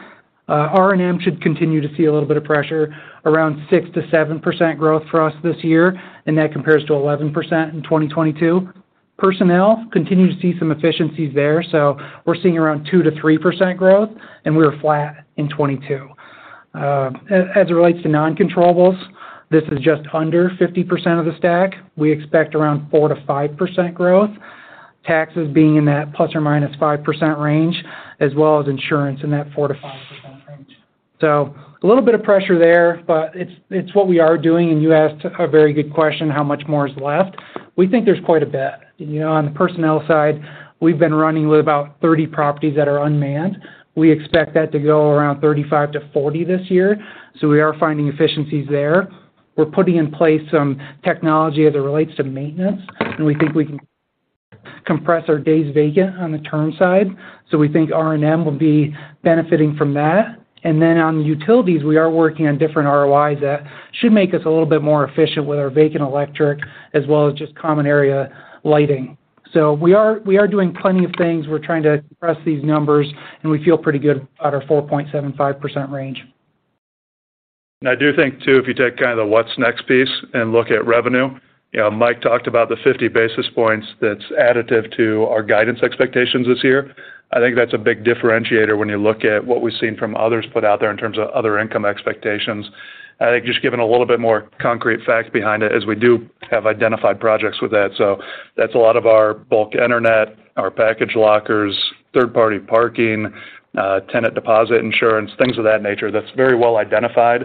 R&M should continue to see a little bit of pressure, around 6%-7% growth for us this year, and that compares to 11% in 2022. Personnel continue to see some efficiencies there. We're seeing around 2%-3% growth, and we were flat in 2022. As it relates to non-controllables, this is just under 50% of the stack. We expect around 4%-5% growth. Taxes being in that ±5% range, as well as insurance in that 4%-5% range. A little bit of pressure there, but it's what we are doing. You asked a very good question, how much more is left? We think there's quite a bit. You know, on the personnel side, we've been running with about 30 properties that are unmanned. We expect that to go around 35-40 this year, so we are finding efficiencies there. We're putting in place some technology as it relates to maintenance, and we think we can compress our days vacant on the term side. We think R&M will be benefiting from that. On the utilities, we are working on different ROIs that should make us a little bit more efficient with our vacant electric as well as just common area lighting. We are doing plenty of things. We're trying to press these numbers, and we feel pretty good at our 4.75% range. I do think too, if you take kind of the what's next piece and look at revenue, you know, Mike talked about the 50 basis points that's additive to our guidance expectations this year. I think that's a big differentiator when you look at what we've seen from others put out there in terms of other income expectations. I think just giving a little bit more concrete facts behind it, as we do have identified projects with that. That's a lot of our bulk internet, our package lockers, third-party parking, tenant deposit insurance, things of that nature that's very well identified.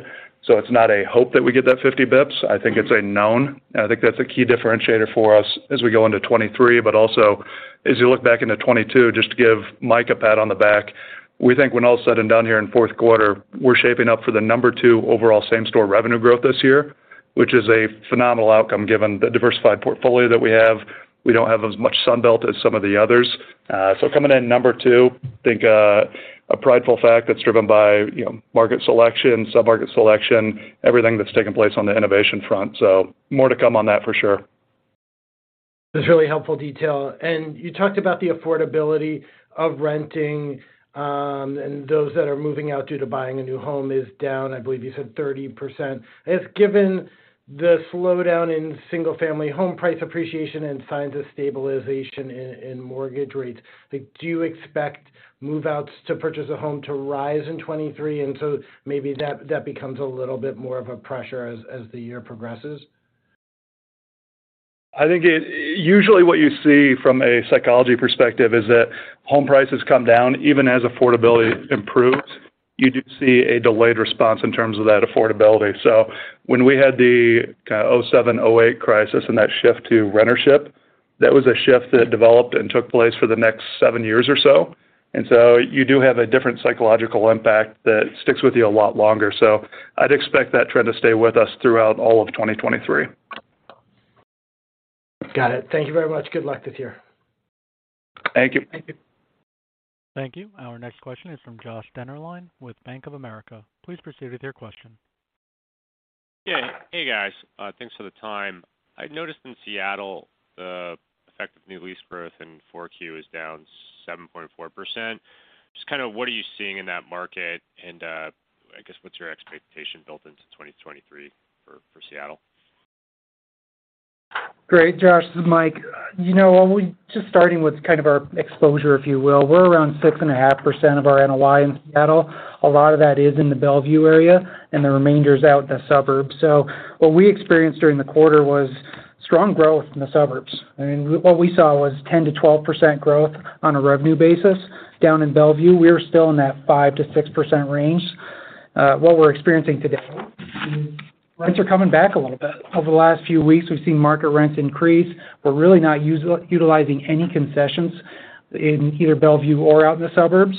It's not a hope that we get that 50 basis points. I think it's a known, and I think that's a key differentiator for us as we go into 2023, but also as you look back into 2022, just to give Mike a pat on the back. We think when all is said and done here in Q4, we're shaping up for the number two overall same-store revenue growth this year, which is a phenomenal outcome given the diversified portfolio that we have. We don't have as much Sunbelt as some of the others. Coming in number two, I think, a prideful fact that's driven by, you know, market selection, sub-market selection, everything that's taken place on the innovation front. More to come on that for sure. That's really helpful detail. You talked about the affordability of renting, and those that are moving out due to buying a new home is down, I believe you said 30%. If given the slowdown in single-family home price appreciation and signs of stabilization in mortgage rates, like, do you expect move-outs to purchase a home to rise in 2023, and so maybe that becomes a little bit more of a pressure as the year progresses? I think usually, what you see from a psychology perspective is that home prices come down. Even as affordability improves, you do see a delayed response in terms of that affordability. When we had the kind of 2007, 2008 crisis and that shift to rentership, that was a shift that developed and took place for the next seven years or so. You do have a different psychological impact that sticks with you a lot longer. I'd expect that trend to stay with us throughout all of 2023. Got it. Thank you very much. Good luck this year. Thank you. Thank you. Thank you. Our next question is from Joshua Dennerlein with Bank of America. Please proceed with your question. Yeah. Hey, guys. Thanks for the time. I noticed in Seattle, the effect of new lease growth in Q4 is down 7.4%. Just kind of what are you seeing in that market? I guess, what's your expectation built into 2023 for Seattle? Great, Josh. This is Mike. You know, when just starting with kind of our exposure, if you will. We're around 6.5% of our NOI in Seattle. A lot of that is in the Bellevue area, and the remainder is out in the suburbs. What we experienced during the quarter was strong growth in the suburbs. I mean, what we saw was 10%-12% growth on a revenue basis. Down in Bellevue, we're still in that 5%-6% range. What we're experiencing today, rents are coming back a little bit. Over the last few weeks, we've seen market rents increase. We're really not utilizing any concessions in either Bellevue or out in the suburbs,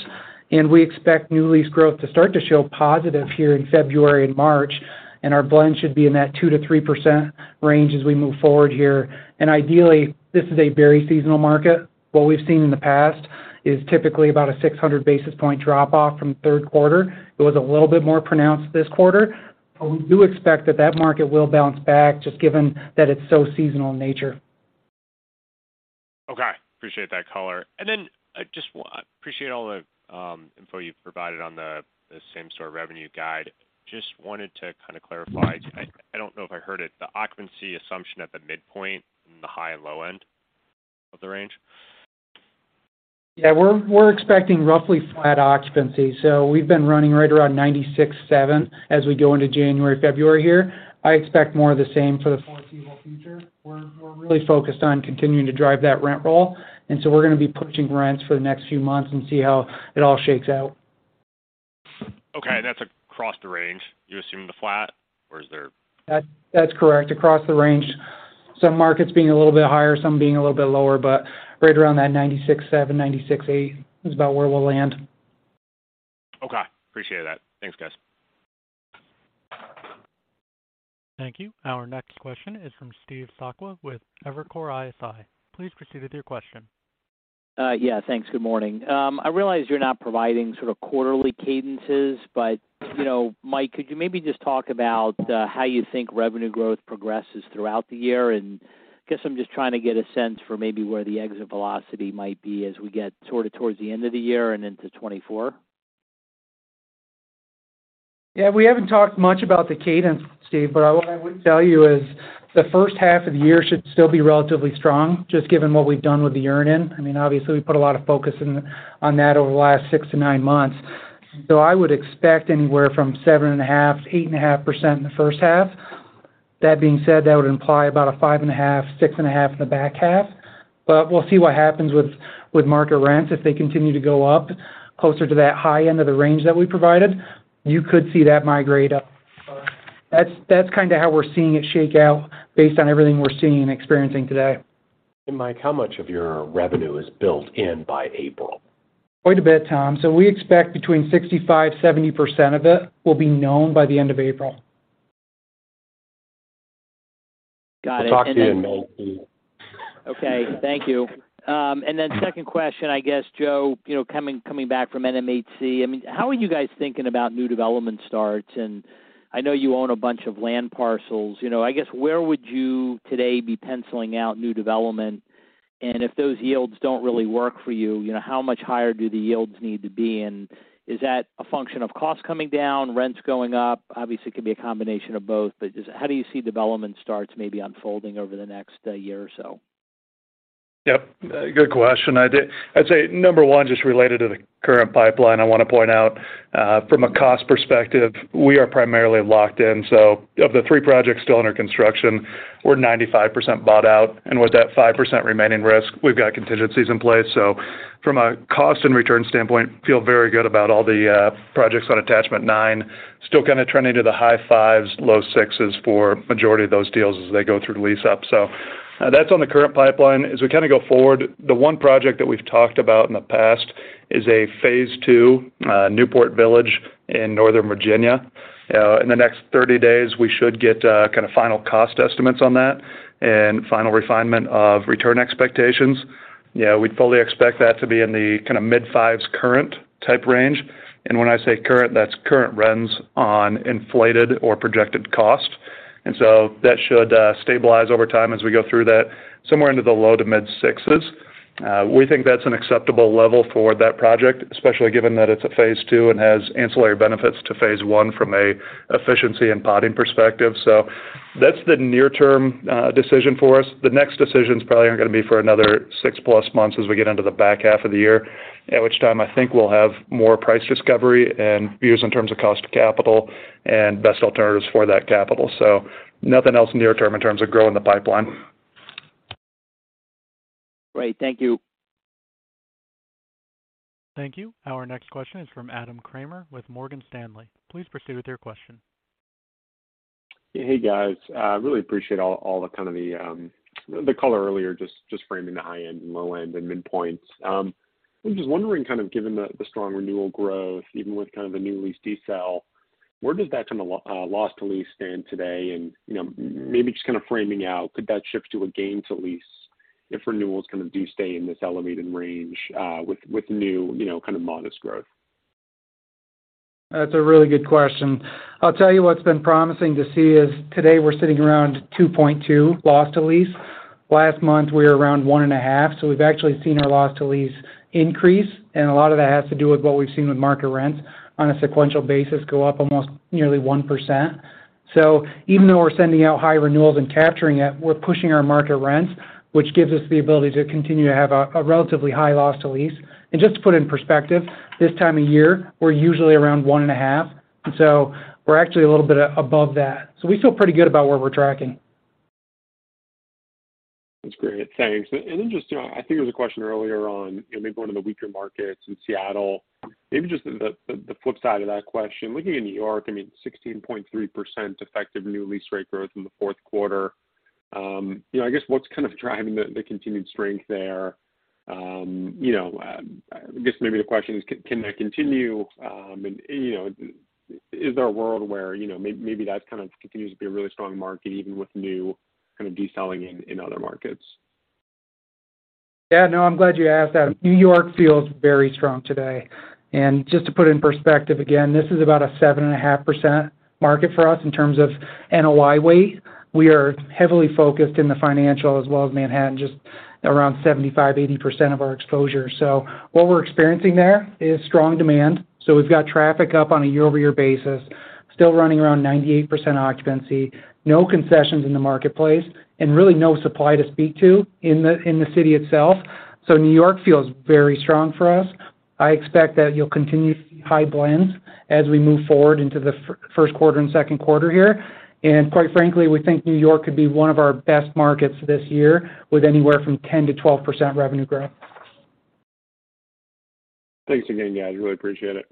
and we expect new lease growth to start to show positive here in February and March, and our blend should be in that 2%-3% range as we move forward here. Ideally, this is a very seasonal market. What we've seen in the past is typically about a 600 basis point drop off from Q3. It was a little bit more pronounced this quarter. We do expect that that market will bounce back just given that it's so seasonal in nature. Okay. Appreciate that color. Then I just appreciate all the info you've provided on the same-store revenue guide. Just wanted to kind of clarify. I don't know if I heard it, the occupancy assumption at the midpoint in the high and low end of the range. Yeah, we're expecting roughly flat occupancy. We've been running right around 96.7% as we go into January, February here. I expect more of the same for the foreseeable future. We're really focused on continuing to drive that rent roll. We're gonna be pushing rents for the next few months and see how it all shakes out. Okay. That's across the range, you're assuming the flat, or is there... That's correct. Across the range. Some markets being a little bit higher, some being a little bit lower, right around that 96.7%, 96.8% is about where we'll land. Okay. Appreciate that. Thanks, guys. Thank you. Our next question is from Steve Sakwa with Evercore ISI. Please proceed with your question. Yeah, thanks. Good morning. I realize you're not providing sort of quarterly cadences, but, you know, Mike, could you maybe just talk about how you think revenue growth progresses throughout the year andGuess I'm just trying to get a sense for maybe where the exit velocity might be as we get sort of towards the end of the year and into 2024. Yeah, we haven't talked much about the cadence, Steve. What I would tell you is the first half of the year should still be relatively strong, just given what we've done with the earn in. I mean, obviously, we put a lot of focus in on that over the last six to nine months. I would expect anywhere from 7.5%-8% in the first half. That being said, that would imply about a 5.5%, 6.5% in the back half. We'll see what happens with market rents if they continue to go up closer to that high end of the range that we provided, you could see that migrate up. That's kind of how we're seeing it shake out based on everything we're seeing and experiencing today. Mike, how much of your revenue is built in by April? Quite a bit, Tom. We expect between 65%, 70% of it will be known by the end of April. We'll talk to you then, Mike, see you. Okay, thank you. Second question, I guess, Joe, you know, coming back from NMHC, I mean, how are you guys thinking about new development starts? I know you own a bunch of land parcels. You know, I guess, where would you today be penciling out new development? If those yields don't really work for you know, how much higher do the yields need to be? Is that a function of cost coming down, rents going up? Obviously, it could be a combination of both. Just how do you see development starts maybe unfolding over the next year or so? Yep, good question. I'd say number one, just related to the current pipeline, I want to point out, from a cost perspective, we are primarily locked in. Of the three projects still under construction, we're 95% bought out. With that 5% remaining risk, we've got contingencies in place. From a cost and return standpoint, feel very good about all the projects on attachment nine. Still kind of trending to the high fives, low sixes for majority of those deals as they go through lease up. That's on the current pipeline. As we kind of go forward, the one project that we've talked about in the past is a phase two, Newport Village in Northern Virginia. In the next 30 days, we should get final cost estimates on that and final refinement of return expectations. We fully expect that to be in the kind of mid 5s current type range. When I say current, that's current rents on inflated or projected cost. That should stabilize over time as we go through that, somewhere into the low to mid 1960s. We think that's an acceptable level for that project, especially given that it's a phase two and has ancillary benefits to phase one from a efficiency and potting perspective. That's the near term decision for us. The next decisions probably aren't going to be for another 6-plus months as we get into the back half of the year, at which time I think we'll have more price discovery and views in terms of cost of capital and best alternatives for that capital. Nothing else near term in terms of growing the pipeline. Great. Thank you. Thank you. Our next question is from Adam Kramer with Morgan Stanley. Please proceed with your question. Hey, guys. I really appreciate all the kind of the color earlier, just framing the high-end and low-end and midpoints. I'm just wondering, kind of given the strong renewal growth, even with kind of a new lease de-sell, where does that kind of loss to lease stand today? You know, maybe just kind of framing out, could that shift to a gain to lease if renewals kind of do stay in this elevated range, with new, you know, kind of modest growth? That's a really good question. I'll tell you what's been promising to see is today we're sitting around 2.2 loss to lease. Last month, we were around 1.5. We've actually seen our loss to lease increase, and a lot of that has to do with what we've seen with market rents on a sequential basis go up almost nearly 1%. Even though we're sending out high renewals and capturing it, we're pushing our market rents, which gives us the ability to continue to have a relatively high loss to lease. Just to put in perspective, this time of year, we're usually around 1.5, and so we're actually a little bit above that. We feel pretty good about where we're tracking. That's great. Thanks. Just, you know, I think there was a question earlier on, you know, maybe one of the weaker markets in Seattle. Maybe just the flip side of that question. Looking in New York, I mean 16.3% effective new lease rate growth in the Q4. You know, I guess what's kind of driving the continued strength there? You know, I guess maybe the question is, can that continue? You know, is there a world where, you know, maybe that kind of continues to be a really strong market, even with new kind of de-selling in other markets? Yeah, no, I'm glad you asked that. New York feels very strong today. Just to put it in perspective, again, this is about a 7.5% market for us in terms of NOI weight. We are heavily focused in the financial as well as Manhattan, just around 75%-80% of our exposure. What we're experiencing there is strong demand. We've got traffic up on a year-over-year basis, still running around 98% occupancy, no concessions in the marketplace, and really no supply to speak to in the city itself. New York feels very strong for us. I expect that you'll continue to see high blends as we move forward into the Q1 and Q2 here. Quite frankly, we think New York could be one of our best markets this year with anywhere from 10%-12% revenue growth. Thanks again, guys. Really appreciate it.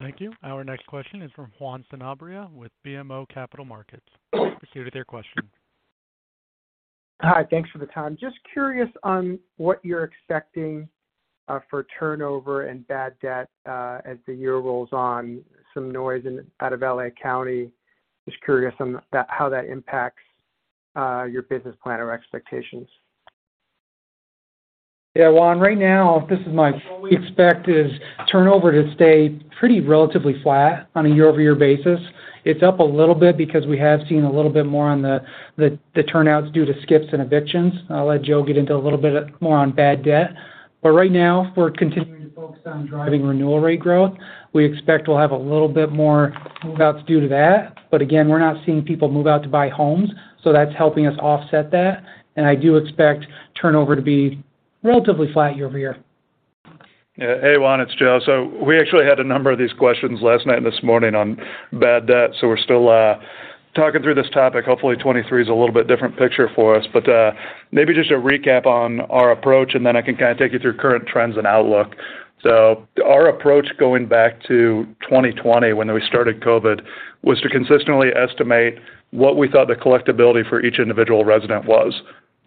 Thank you. Our next question is from Juan Sanabria with BMO Capital Markets. Proceed with your question. Hi. Thanks for the time. Just curious on what you're expecting for turnover and bad debt as the year rolls on, some noise out of L.A. County. Just curious on that, how that impacts your business plan or expectations. Well, right now, what we expect is turnover to stay pretty relatively flat on a year-over-year basis. It's up a little bit because we have seen a little bit more on the turnouts due to skips and evictions. I'll let Joe get into a little bit more on bad debt. Right now, we're continuing to focus on driving renewal rate growth. We expect we'll have a little bit more move-outs due to that. Again, we're not seeing people move out to buy homes, that's helping us offset that. I do expect turnover to be relatively flat year-over-year. Yeah. Hey, Juan, it's Joe. We actually had a number of these questions last night and this morning on bad debt, we're still talking through this topic. Hopefully, 2023 is a little bit different picture for us. Maybe just a recap on our approach, and then I can kind of take you through current trends and outlook. Our approach going back to 2020 when we started COVID was to consistently estimate what we thought the collectibility for each individual resident was.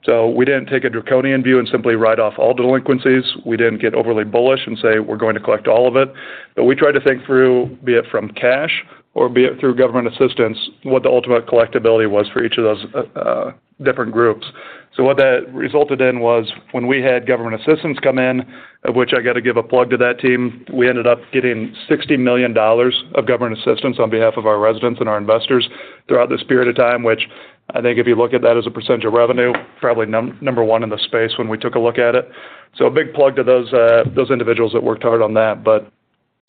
We didn't take a draconian view and simply write off all delinquencies. We didn't get overly bullish and say, we're going to collect all of it. We tried to think through, be it from cash or be it through government assistance, what the ultimate collectibility was for each of those different groups. What that resulted in was when we had government assistance come in, of which I got to give a plug to that team, we ended up getting $60 million of government assistance on behalf of our residents and our investors throughout this period of time, which I think if you look at that as a percentage of revenue, probably number one in the space when we took a look at it. A big plug to those individuals that worked hard on that.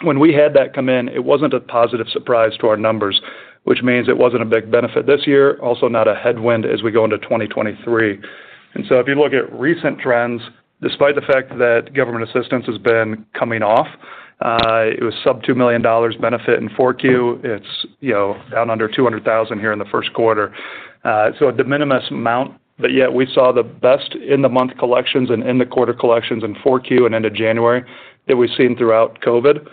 When we had that come in, it wasn't a positive surprise to our numbers, which means it wasn't a big benefit this year, also not a headwind as we go into 2023. If you look at recent trends, despite the fact that government assistance has been coming off, it was sub $2 million benefit in Q4. It's, you know, down under $200,000 here in the Q1. A de minimis amount, but yet we saw the best in-the-month collections and in-the-quarter collections in Q4 and end of January that we've seen throughout COVID.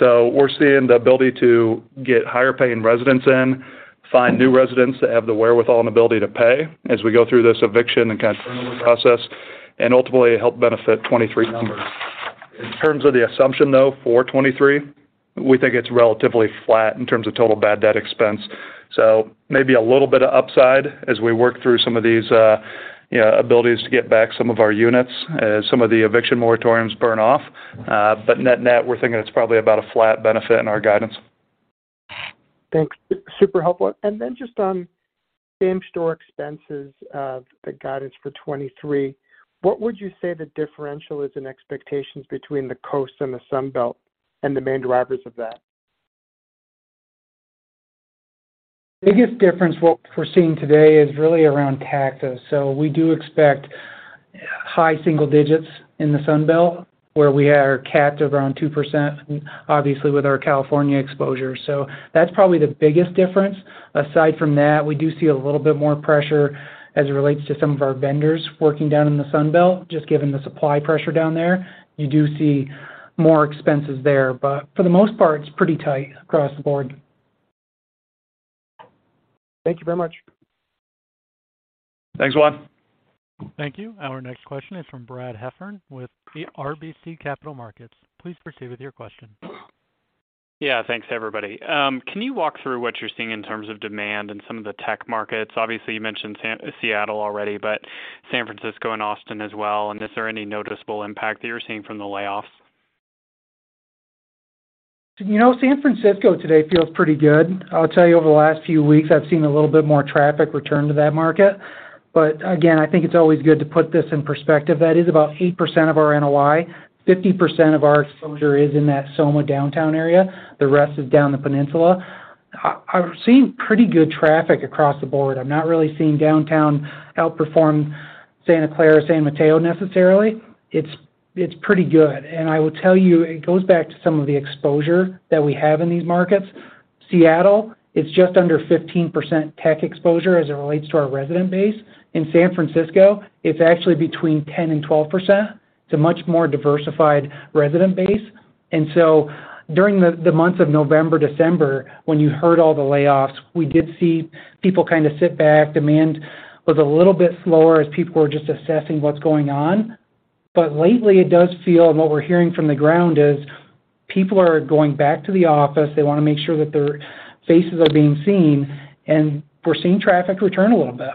We're seeing the ability to get higher-paying residents in, find new residents that have the wherewithal and ability to pay as we go through this eviction and kind of turnover process, and ultimately help benefit 2023 numbers. In terms of the assumption, though, for 2023, we think it's relatively flat in terms of total bad debt expense. Maybe a little bit of upside as we work through some of these, you know, abilities to get back some of our units as some of the eviction moratoriums burn off. Net-net, we're thinking it's probably about a flat benefit in our guidance. Thanks. Super helpful. Just on same-store expenses of the guidance for 2023, what would you say the differential is in expectations between the Coast and the Sun Belt and the main drivers of that? Biggest difference what we're seeing today is really around taxes. We do expect high single digits in the Sun Belt, where we are capped around 2%, obviously with our California exposure. That's probably the biggest difference. Aside from that, we do see a little bit more pressure as it relates to some of our vendors working down in the Sun Belt, just given the supply pressure down there. You do see more expenses there. For the most part, it's pretty tight across the board. Thank you very much. Thanks, Juan. Thank you. Our next question is from Brad Heffern with RBC Capital Markets. Please proceed with your question. Yeah. Thanks, everybody. Can you walk through what you're seeing in terms of demand in some of the tech markets? Obviously, you mentioned Seattle already, but San Francisco and Austin as well. Is there any noticeable impact that you're seeing from the layoffs? You know, San Francisco today feels pretty good. I'll tell you over the last few weeks, I've seen a little bit more traffic return to that market. Again, I think it's always good to put this in perspective. That is about 8% of our NOI. 50% of our exposure is in that SOMA downtown area. The rest is down the peninsula. I've seen pretty good traffic across the board. I'm not really seeing downtown outperform Santa Clara, San Mateo necessarily. It's pretty good. I will tell you, it goes back to some of the exposure that we have in these markets. Seattle, it's just under 15% tech exposure as it relates to our resident base. In San Francisco, it's actually between 10% and 12%. It's a much more diversified resident base. During the months of November, December, when you heard all the layoffs, we did see people kind of sit back. Demand was a little bit slower as people were just assessing what's going on. Lately, it does feel, and what we're hearing from the ground is people are going back to the office. They wanna make sure that their faces are being seen, and we're seeing traffic return a little bit.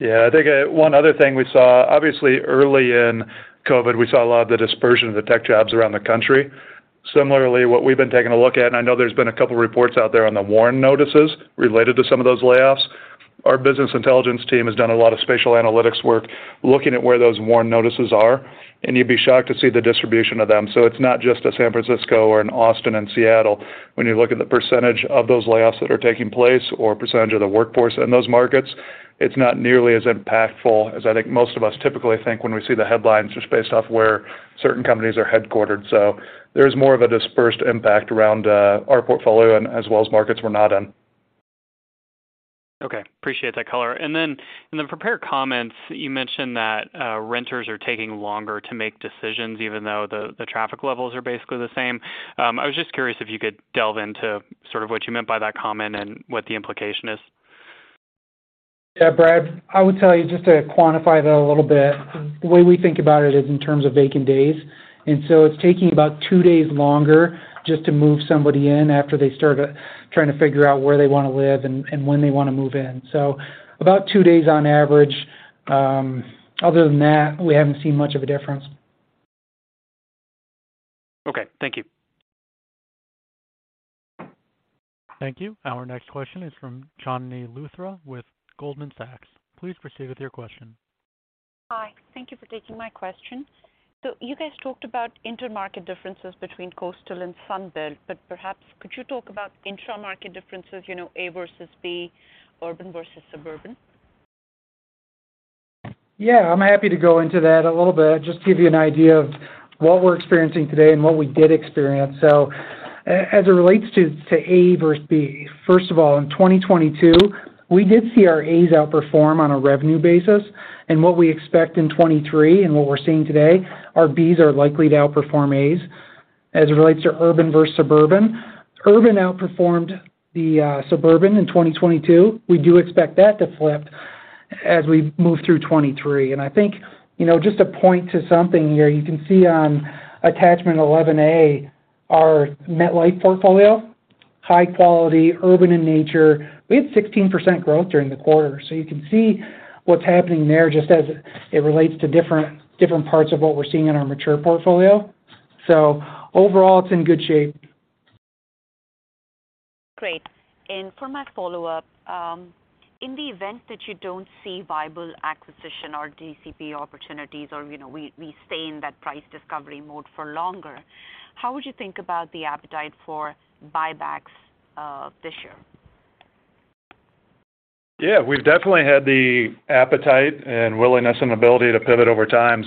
Yeah. I think, one other thing we saw, obviously early in COVID, we saw a lot of the dispersion of the tech jobs around the country. Similarly, what we've been taking a look at, and I know there's been a couple reports out there on the warn notices related to some of those layoffs. Our business intelligence team has done a lot of spatial analytics work looking at where those warn notices are, and you'd be shocked to see the distribution of them. It's not just a San Francisco or an Austin and Seattle. When you look at the percentage of those layoffs that are taking place or percentage of the workforce in those markets, it's not nearly as impactful as I think most of us typically think when we see the headlines just based off where certain companies are headquartered. There's more of a dispersed impact around our portfolio and as well as markets we're not in. Okay. Appreciate that color. Then in the prepared comments, you mentioned that renters are taking longer to make decisions even though the traffic levels are basically the same. I was just curious if you could delve into sort of what you meant by that comment and what the implication is. Yeah, Brad, I would tell you just to quantify that a little bit, the way we think about it is in terms of vacant days. It's taking about 2 days longer just to move somebody in after they start trying to figure out where they want to live and when they want to move in. About two days on average. Other than that, we haven't seen much of a difference. Thank you. Thank you. Our next question is from Chandni Luthra with Goldman Sachs. Please proceed with your question. Hi. Thank you for taking my question. You guys talked about intermarket differences between Coastal and Sunbelt, but perhaps could you talk about intra-market differences, you know, A versus B, urban versus suburban? I'm happy to go into that a little bit. Just to give you an idea of what we're experiencing today and what we did experience. As it relates to A versus B, first of all, in 2022, we did see our As outperform on a revenue basis. What we expect in 23 and what we're seeing today, our Bs are likely to outperform As. As it relates to urban versus suburban, urban outperformed the suburban in 2022. We do expect that to flip as we move through 23. I think, you know, just to point to something here, you can see on attachment 11A, our MetLife portfolio, high quality, urban in nature. We had 16% growth during the quarter. You can see what's happening there just as it relates to different parts of what we're seeing in our mature portfolio. Overall it's in good shape. Great. For my follow-up, in the event that you don't see viable acquisition or DCP opportunities or, you know, we stay in that price discovery mode for longer, how would you think about the appetite for buybacks this year? Yeah. We've definitely had the appetite and willingness and ability to pivot over time.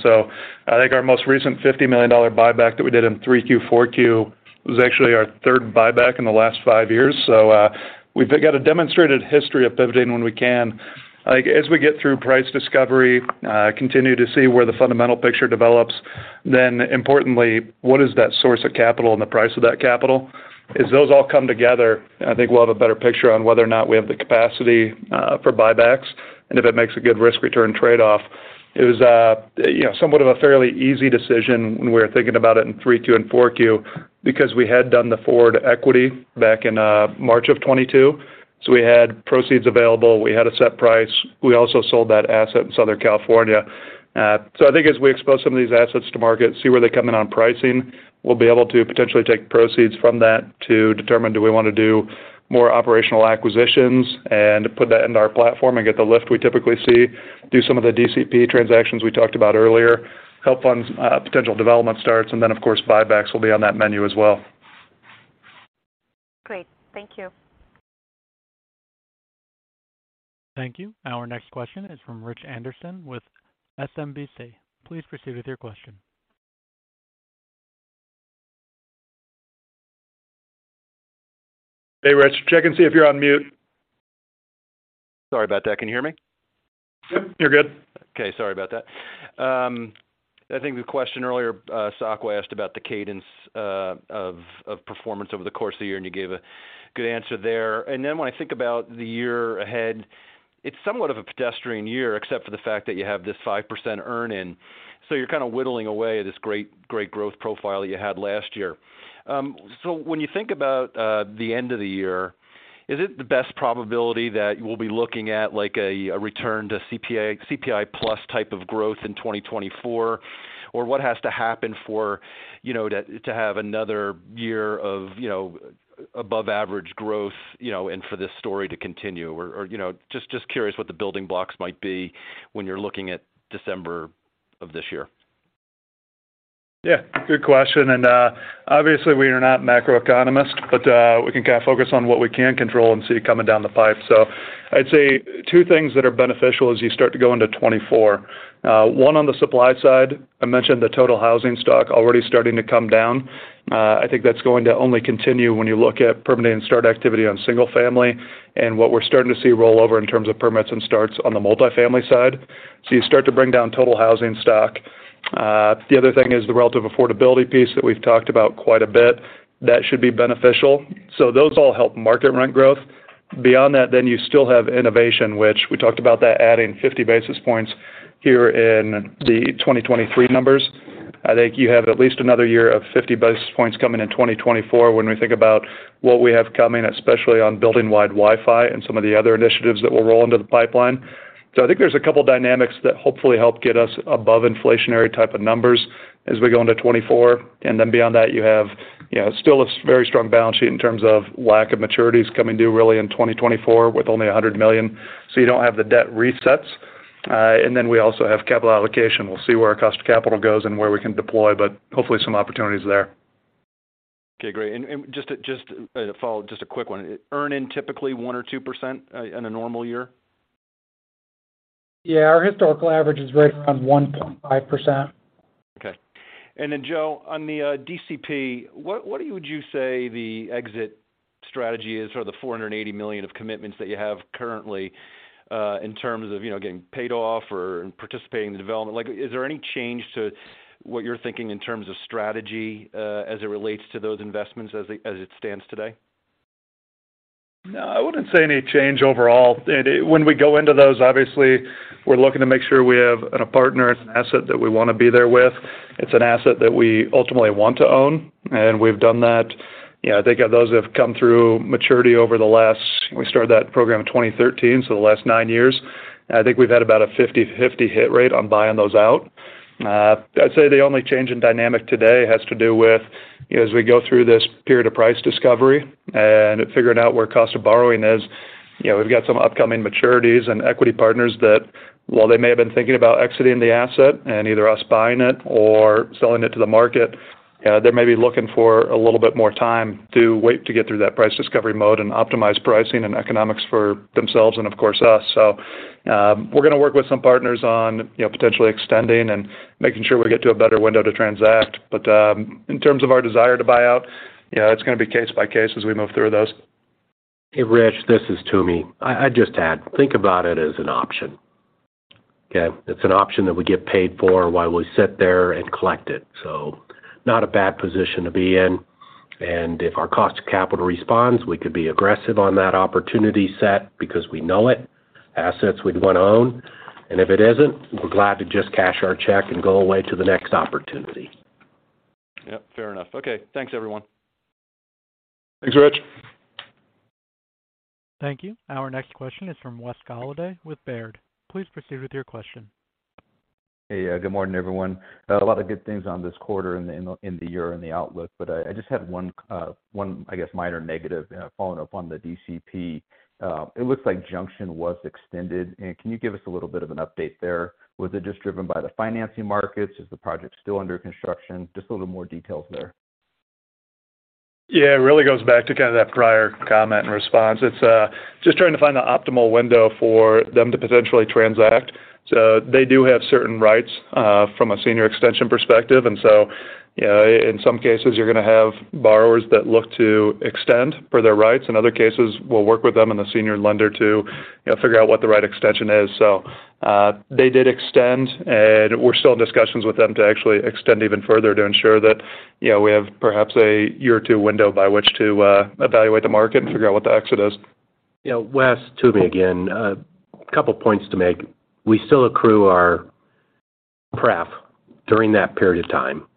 I think our most recent $50 million buyback that we did in Q3, Q4 was actually our third buyback in the last five years. We've got a demonstrated history of pivoting when we can. As we get through price discovery, continue to see where the fundamental picture develops, then importantly, what is that source of capital and the price of that capital? As those all come together, I think we'll have a better picture on whether or not we have the capacity for buybacks and if it makes a good risk-return trade-off. It was, you know, somewhat of a fairly easy decision when we were thinking about it in Q3 and Q4 because we had done the forward equity back in March of 2022. We had proceeds available, we had a set price. We also sold that asset in Southern California. I think as we expose some of these assets to market, see where they come in on pricing, we'll be able to potentially take proceeds from that to determine do we wanna do more operational acquisitions and put that into our platform and get the lift we typically see, do some of the DCP transactions we talked about earlier, help fund potential development starts, and then of course, buybacks will be on that menu as well. Great. Thank you. Thank you. Our next question is from Rich Anderson with SMBC. Please proceed with your question. Hey, Rich. Check and see if you're on mute. Sorry about that. Can you hear me? Yep, you're good. Okay, sorry about that. I think the question earlier, Sakwa asked about the cadence of performance over the course of the year, and you gave a good answer there. When I think about the year ahead, it's somewhat of a pedestrian year except for the fact that you have this 5% earn in, so you're kind of whittling away this great growth profile you had last year. When you think about the end of the year, is it the best probability that we'll be looking at like a return to CPI plus type of growth in 2024? What has to happen for, you know, to have another year of, you know, above average growth, you know, and for this story to continue? You know, just curious what the building blocks might be when you're looking at December of this year? Yeah, good question. Obviously we are not macroeconomists, but we can kind of focus on what we can control and see coming down the pipe. I'd say two things that are beneficial as you start to go into 2024. One on the supply side, I mentioned the total housing stock already starting to come down. I think that's going to only continue when you look at permanent and start activity on single family and what we're starting to see roll over in terms of permits and starts on the multifamily side. You start to bring down total housing stock. The other thing is the relative affordability piece that we've talked about quite a bit. That should be beneficial. Those all help market rent growth. Beyond that, you still have innovation, which we talked about that adding 50 basis points here in the 2023 numbers. I think you have at least another year of 50 basis points coming in 2024 when we think about what we have coming, especially on building-wide Wi-Fi and some of the other initiatives that will roll into the pipeline. I think there's a couple of dynamics that hopefully help get us above inflationary type of numbers as we go into 2024. Beyond that, you have, you know, still a very strong balance sheet in terms of lack of maturities coming due really in 2024 with only $100 million, so you don't have the debt resets. We also have capital allocation. We'll see where our cost of capital goes and where we can deploy, but hopefully some opportunities there. Okay, great. Just a follow, just a quick one. Earn in typically 1% or 2% in a normal year? Yeah. Our historical average is right around 1.5%. Okay. Joe, on the DCP, what would you say the exit strategy is for the $480 million of commitments that you have currently, in terms of, you know, getting paid off or participating in the development? Like, is there any change to what you're thinking in terms of strategy, as it relates to those investments as it stands today? No, I wouldn't say any change overall. When we go into those, obviously we're looking to make sure we have a partner. It's an asset that we want to be there with. It's an asset that we ultimately want to own. We've done that. Yeah, I think those have come through maturity over the last... We started that program in 2013, so the last nine years. I think we've had about a 50/50 hit rate on buying those out. I'd say the only change in dynamic today has to do with, you know, as we go through this period of price discovery and figuring out where cost of borrowing is, you know, we've got some upcoming maturities and equity partners that while they may have been thinking about exiting the asset and either us buying it or selling it to the market, they may be looking for a little bit more time to wait to get through that price discovery mode and optimize pricing and economics for themselves and of course us. We're gonna work with some partners on, you know, potentially extending and making sure we get to a better window to transact. In terms of our desire to buy out, you know, it's gonna be case by case as we move through those. Hey, Rich, this is Tom. I just add, think about it as an option. Okay? It's an option that we get paid for while we sit there and collect it. Not a bad position to be in. If our cost of capital responds, we could be aggressive on that opportunity set because we know it, assets we'd want to own. If it isn't, we're glad to just cash our check and go away to the next opportunity. Yep, fair enough. Okay, thanks, everyone. Thanks, Rich. Thank you. Our next question is from Wes Golladay with Baird. Please proceed with your question. Hey. Good morning, everyone. A lot of good things on this quarter in the year and the outlook, but I just had one, I guess, minor negative following up on the DCP. It looks like Junction was extended. Can you give us a little bit of an update there? Was it just driven by the financing markets? Is the project still under construction? Just a little more details there. Yeah. It really goes back to kind of that prior comment and response. It's just trying to find the optimal window for them to potentially transact. They do have certain rights from a senior extension perspective. You know, in some cases, you're gonna have borrowers that look to extend per their rights. In other cases, we'll work with them and the senior lender to, you know, figure out what the right extension is. They did extend, and we're still in discussions with them to actually extend even further to ensure that, you know, we have perhaps a year or two window by which to evaluate the market and figure out what the exit is. You know, Wes, Tom again. A couple points to make. We still accrue our pref during that period of time.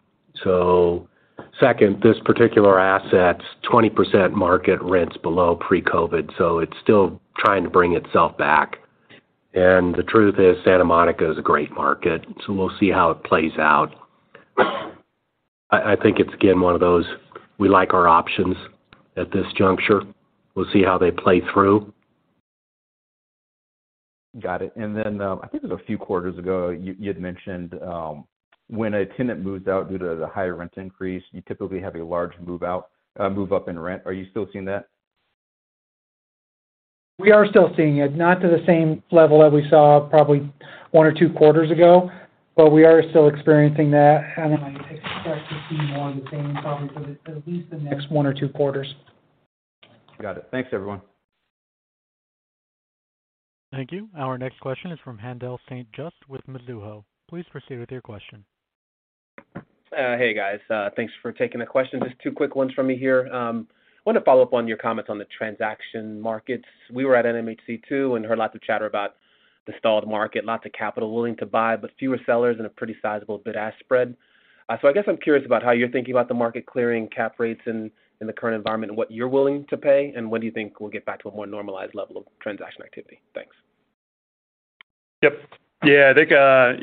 Second, this particular asset's 20% market rents below pre-COVID, so it's still trying to bring itself back. The truth is, Santa Monica is a great market, so we'll see how it plays out. I think it's again, one of those, we like our options at this juncture. We'll see how they play through. Got it. I think it was a few quarters ago, you had mentioned, when a tenant moves out due to the higher rent increase, you typically have a large move up in rent. Are you still seeing that? We are still seeing it, not to the same level that we saw probably one or two quarters ago, but we are still experiencing that. I expect to see more of the same probably for at least the next one or two quarters. Got it. Thanks, everyone. Thank you. Our next question is from Haendel St. Juste with Mizuho. Please proceed with your question. Hey, guys, thanks for taking the question. Just two quick ones from me here. Wanted to follow up on your comments on the transaction markets. We were at NMHC too and heard lots of chatter about the stalled market, lots of capital willing to buy, but fewer sellers and a pretty sizable bid-ask spread. I guess I'm curious about how you're thinking about the market clearing cap rates in the current environment and what you're willing to pay, and when do you think we'll get back to a more normalized level of transaction activity? Thanks. Yep. Yeah. I think,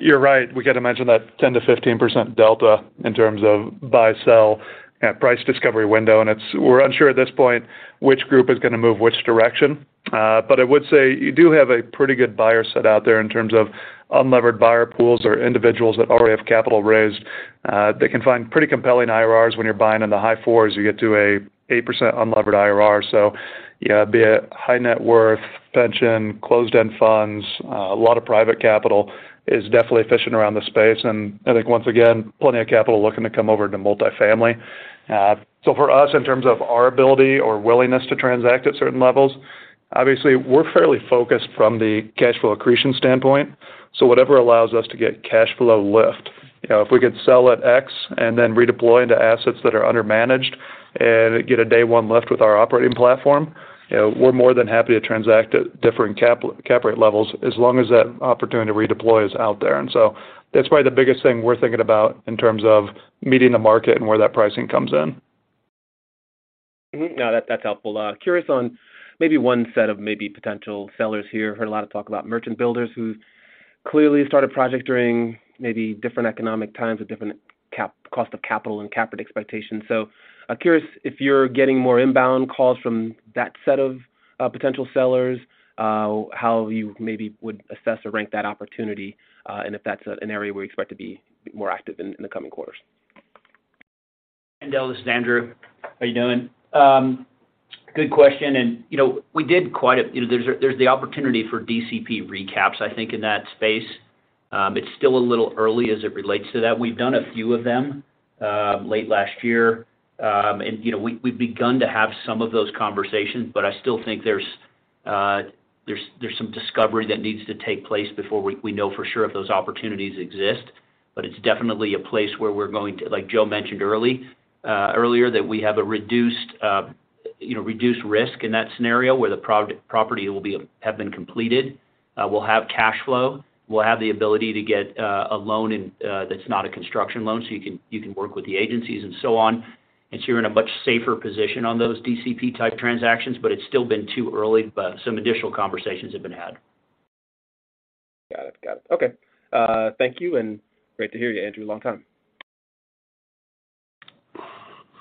you're right. We got to mention that 10%-15% delta in terms of buy-sell at price discovery window, and we're unsure at this point which group is gonna move which direction. But I would say you do have a pretty good buyer set out there in terms of unlevered buyer pools or individuals that already have capital raised. They can find pretty compelling IRRs when you're buying in the high fours, you get to a 8% unlevered IRR. Yeah, be it high net worth, pension, closed-end funds, a lot of private capital is definitely fishing around the space, and I think once again, plenty of capital looking to come over to multifamily. For us, in terms of our ability or willingness to transact at certain levels, obviously, we're fairly focused from the cash flow accretion standpoint. Whatever allows us to get cash flow lift, you know, if we could sell at X and then redeploy into assets that are under-managed and get a day one lift with our operating platform, you know, we're more than happy to transact at different cap rate levels as long as that opportunity to redeploy is out there. That's probably the biggest thing we're thinking about in terms of meeting the market and where that pricing comes in. No, that's helpful. Curious on maybe one set of maybe potential sellers here. Heard a lot of talk about merchant builders who clearly started project during maybe different economic times with different cost of capital and cap rate expectations. I'm curious if you're getting more inbound calls from that set of potential sellers, how you maybe would assess or rank that opportunity, and if that's an area where you expect to be more active in the coming quarters. Haendel, this is Andrew. How you doing? Good question. You know, there's the opportunity for DCP recaps, I think in that space. It's still a little early as it relates to that. We've done a few of them, late last year. You know, we've begun to have some of those conversations, but I still think there's some discovery that needs to take place before we know for sure if those opportunities exist. It's definitely a place where Like Joe mentioned early, earlier, that we have a reduced. You know, reduce risk in that scenario where the property have been completed, we'll have cash flow. We'll have the ability to get a loan that's not a construction loan, so you can work with the agencies and so on. You're in a much safer position on those DCP-type transactions, but it's still been too early. Some additional conversations have been had. Got it. Got it. Okay. Thank you, great to hear you, Andrew. Long time.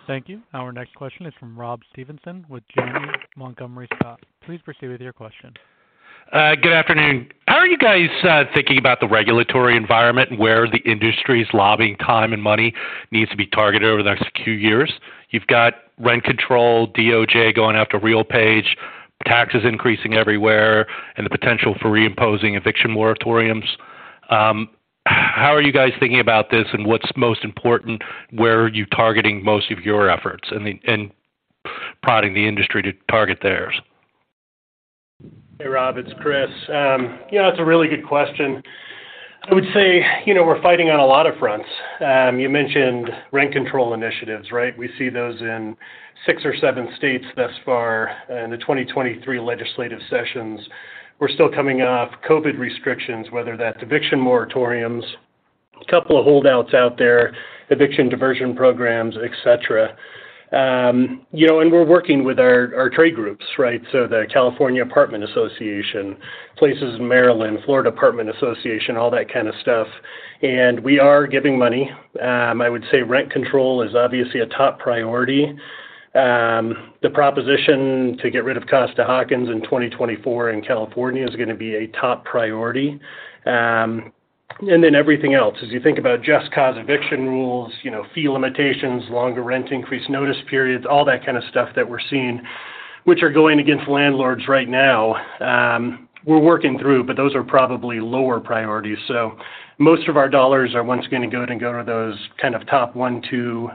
Thank you. Our next question is from Rob Stevenson with Janney Montgomery Scott. Please proceed with your question. Good afternoon. How are you guys thinking about the regulatory environment and where the industry's lobbying time and money needs to be targeted over the next few years? You've got rent control, DOJ going after RealPage, taxes increasing everywhere, and the potential for reimposing eviction moratoriums. How are you guys thinking about this, and what's most important? Where are you targeting most of your efforts and prodding the industry to target theirs? Hey, Rob, it's Chris. Yeah, that's a really good question. I would say, you know, we're fighting on a lot of fronts. You mentioned rent control initiatives, right? We see those in six or seven states thus far in the 2023 legislative sessions. We're still coming off COVID restrictions, whether that's eviction moratoriums, couple of holdouts out there, eviction diversion programs, et cetera. You know, and we're working with our trade groups, right? The California Apartment Association, Places Maryland, Florida Apartment Association, all that kind of stuff. We are giving money. I would say rent control is obviously a top priority. The proposition to get rid of Costa-Hawkins in 2024 in California is gonna be a top priority. Everything else. As you think about just cause eviction rules, you know, fee limitations, longer rent increase notice periods, all that kind of stuff that we're seeing, which are going against landlords right now, we're working through, but those are probably lower priorities. Most of our dollars are once again gonna go to those kind of top 1, 2,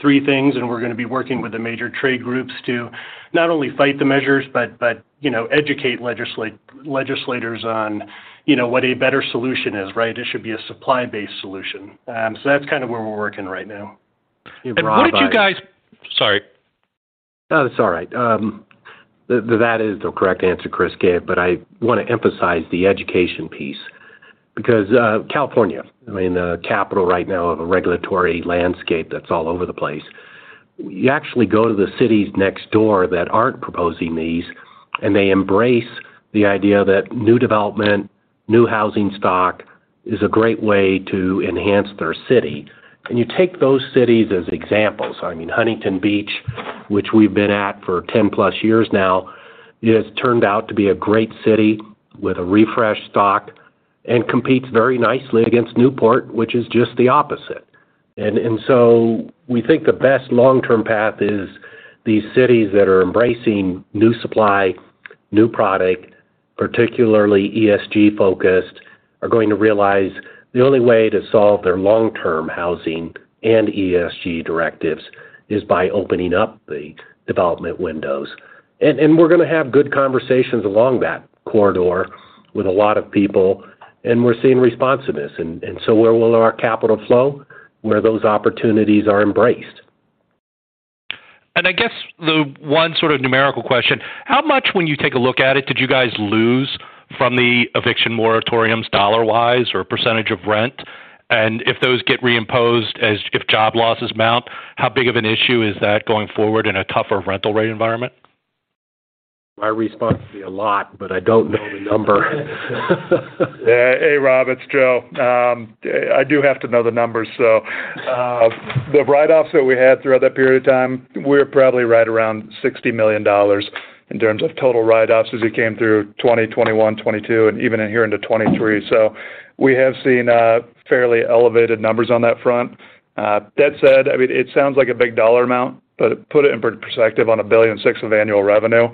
3 things, and we're gonna be working with the major trade groups to not only fight the measures, but, you know, educate legislators on, you know, what a better solution is, right? It should be a supply-based solution. That's kind of where we're working right now. What did you guys... Sorry. No, that is the correct answer Chris gave, but I wanna emphasize the education piece because California, I mean, a capital right now of a regulatory landscape that's all over the place. You actually go to the cities next door that aren't proposing these, they embrace the idea that new development, new housing stock is a great way to enhance their city. You take those cities as examples. I mean, Huntington Beach, which we've been at for 10 plus years now, it has turned out to be a great city with a refreshed stock and competes very nicely against Newport, which is just the opposite. We think the best long-term path is these cities that are embracing new supply, new product, particularly ESG-focused, are going to realize the only way to solve their long-term housing and ESG directives is by opening up the development windows. We're gonna have good conversations along that corridor with a lot of people, and we're seeing responsiveness. Where will our capital flow? Where those opportunities are embraced. I guess the one sort of numerical question, how much, when you take a look at it, did you guys lose from the eviction moratoriums dollar-wise or percentage of rent? If those get reimposed if job losses mount, how big of an issue is that going forward in a tougher rental rate environment? My response would be a lot, but I don't know the number. Yeah. Hey, Rob, it's Joe. I do have to know the numbers. The write-offs that we had throughout that period of time, we're probably right around $60 million in terms of total write-offs as we came through 2020, 2021, 2022 and even in here into 2023. We have seen fairly elevated numbers on that front. That said, I mean, it sounds like a big dollar amount, but put it in perspective on $1.6 billion of annual revenue,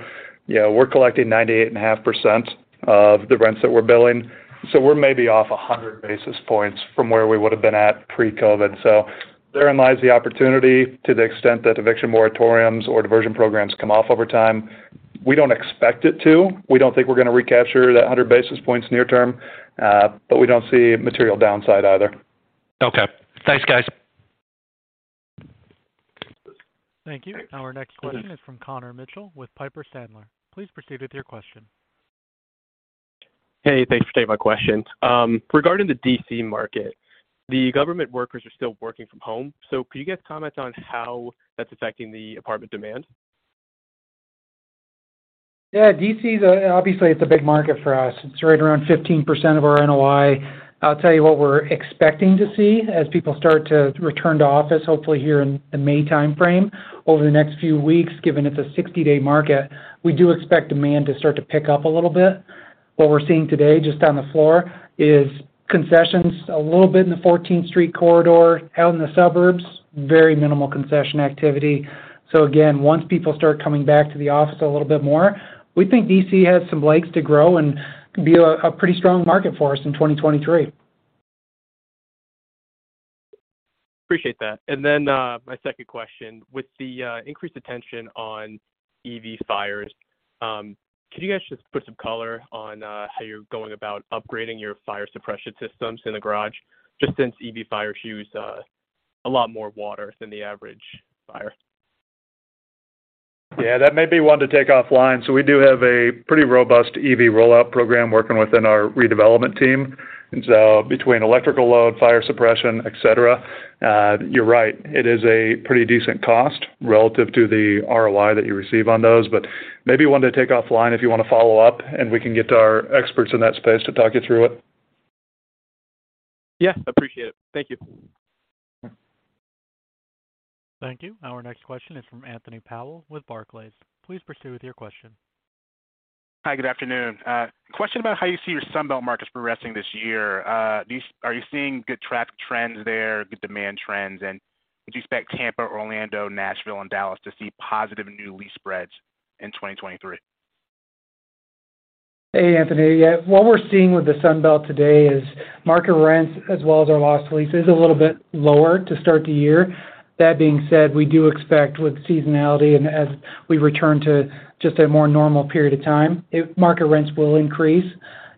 yeah, we're collecting 98.5% of the rents that we're billing. We're maybe off 100 basis points from where we would've been at pre-COVID. Therein lies the opportunity to the extent that eviction moratoriums or diversion programs come off over time. We don't expect it to. We don't think we're gonna recapture that 100 basis points near term. We don't see material downside either. Okay. Thanks, guys. Thank you. Our next question is from Connor Mitchell with Piper Sandler. Please proceed with your question. Hey, thanks for taking my question. Regarding the D.C. market, the government workers are still working from home, so could you guys comment on how that's affecting the apartment demand? Yeah. D.C.'s, obviously, it's a big market for us. It's right around 15% of our NOI. I'll tell you what we're expecting to see as people start to return to office, hopefully here in the May timeframe. Over the next few weeks, given it's a 60-day market, we do expect demand to start to pick up a little bit. What we're seeing today just on the floor is concessions a little bit in the Fourteenth Street corridor. Out in the suburbs, very minimal concession activity. Again, once people start coming back to the office a little bit more, we think D.C. has some legs to grow and could be a pretty strong market for us in 2023. Appreciate that. My second question. With the increased attention on EV fires Could you guys just put some color on how you're going about upgrading your fire suppression systems in the garage, just since EV fires use a lot more water than the average fire? Yeah, that may be one to take offline. We do have a pretty robust EV rollout program working within our redevelopment team. Between electrical load, fire suppression, et cetera, you're right. It is a pretty decent cost relative to the ROI that you receive on those. Maybe one to take offline if you wanna follow up, and we can get our experts in that space to talk you through it. Yeah, appreciate it. Thank you. Thank you. Our next question is from Anthony Powell with Barclays. Please proceed with your question. Hi, good afternoon. Question about how you see your Sunbelt markets progressing this year. Are you seeing good traffic trends there, good demand trends? Would you expect Tampa, Orlando, Nashville, and Dallas to see positive new lease spreads in 2023? Hey, Anthony. Yeah, what we're seeing with the Sunbelt today is market rents as well as our lost leases a little bit lower to start the year. That being said, we do expect with seasonality and as we return to just a more normal period of time, market rents will increase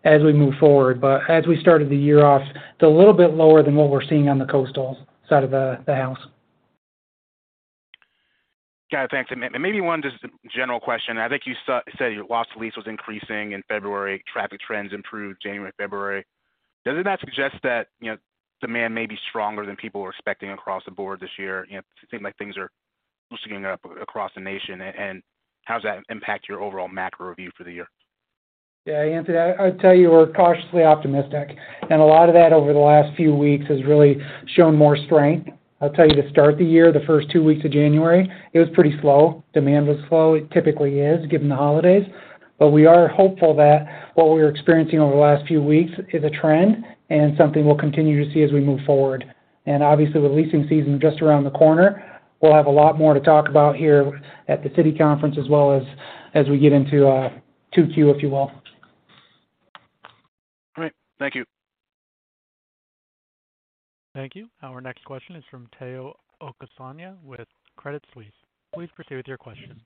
as we move forward. As we started the year off, it's a little bit lower than what we're seeing on the coastal side of the house. Got it. Thanks. Maybe one just general question. I think you said your lost lease was increasing in February. Traffic trends improved January, February. Doesn't that suggest that, you know, demand may be stronger than people were expecting across the board this year? You know, it seemed like things are loosening up across the nation, and how does that impact your overall macro review for the year? Yeah, Anthony, I'd tell you we're cautiously optimistic. A lot of that over the last few weeks has really shown more strength. I'll tell you to start the year, the first 2 weeks of January, it was pretty slow. Demand was slow. It typically is given the holidays. We are hopeful that what we were experiencing over the last few weeks is a trend and something we'll continue to see as we move forward. Obviously, with leasing season just around the corner, we'll have a lot more to talk about here at the Citi conference as well as we get into Q2, if you will. All right. Thank you. Thank you. Our next question is from Tayo Okusanya with Credit Suisse. Please proceed with your question.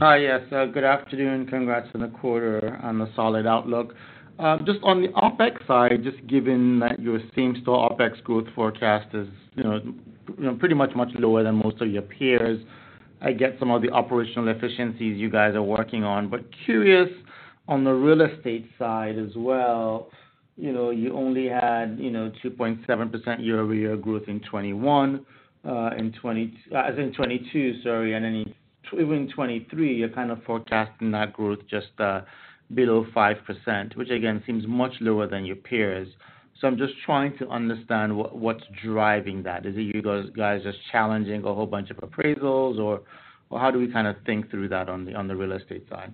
Hi. Yes. Good afternoon. Congrats on the quarter, on the solid outlook. Just on the OpEx side, just given that your same-store OpEx growth forecast is, you know, pretty much lower than most of your peers, I get some of the operational efficiencies you guys are working on. Curious on the real estate side as well, you know, you only had, you know, 2.7% year-over-year growth in 2021, as in 2022, sorry. Even in 2023, you're kind of forecasting that growth just below 5%, which again seems much lower than your peers. I'm just trying to understand what's driving that. Is it you guys just challenging a whole bunch of appraisals or how do we kind of think through that on the real estate side?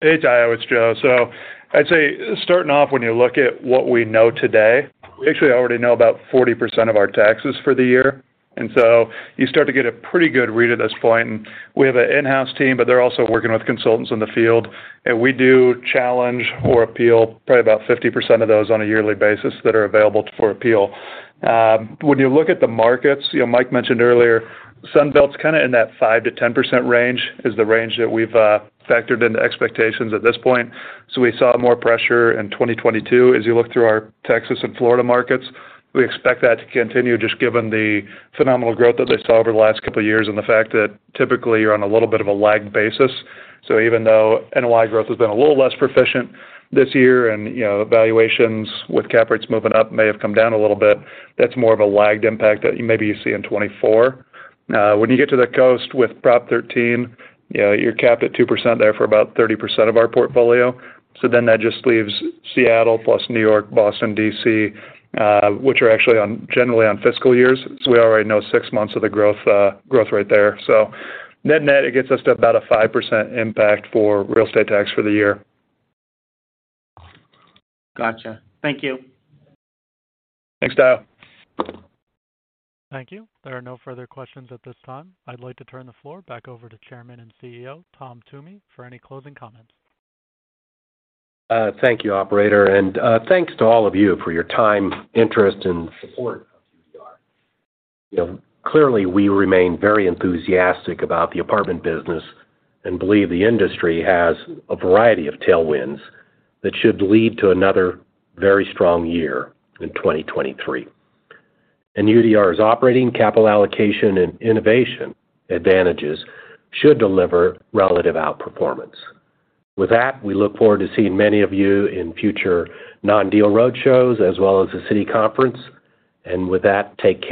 Hey, Tayo, it's Joe. I'd say starting off, when you look at what we know today, we actually already know about 40% of our taxes for the year, you start to get a pretty good read at this point. We have an in-house team, but they're also working with consultants in the field, and we do challenge or appeal probably about 50% of those on a yearly basis that are available for appeal. When you look at the markets, you know, Mike mentioned earlier, Sunbelt's kind of in that 5%-10% range is the range that we've factored into expectations at this point. We saw more pressure in 2022. As you look through our Texas and Florida markets, we expect that to continue just given the phenomenal growth that they saw over the last couple of years and the fact that typically you're on a little bit of a lagged basis. Even though NOI growth has been a little less proficient this year and, you know, valuations with cap rates moving up may have come down a little bit, that's more of a lagged impact that maybe you see in 2024. When you get to the coast with Proposition 13, you know, you're capped at 2% there for about 30% of our portfolio. That just leaves Seattle plus New York, Boston, D.C., which are actually generally on fiscal years, so we already know 6 months of the growth right there. Net-net, it gets us to about a 5% impact for real estate tax for the year. Gotcha. Thank you. Thanks, Tayo. Thank you. There are no further questions at this time. I'd like to turn the floor back over to Chairman and CEO, Tom Toomey, for any closing comments. Thank you, operator, and thanks to all of you for your time, interest, and support of UDR. You know, clearly we remain very enthusiastic about the apartment business and believe the industry has a variety of tailwinds that should lead to another very strong year in 2023. UDR's operating capital allocation and innovation advantages should deliver relative outperformance. With that, we look forward to seeing many of you in future non-deal roadshows as well as the Citi conference. With that, take care.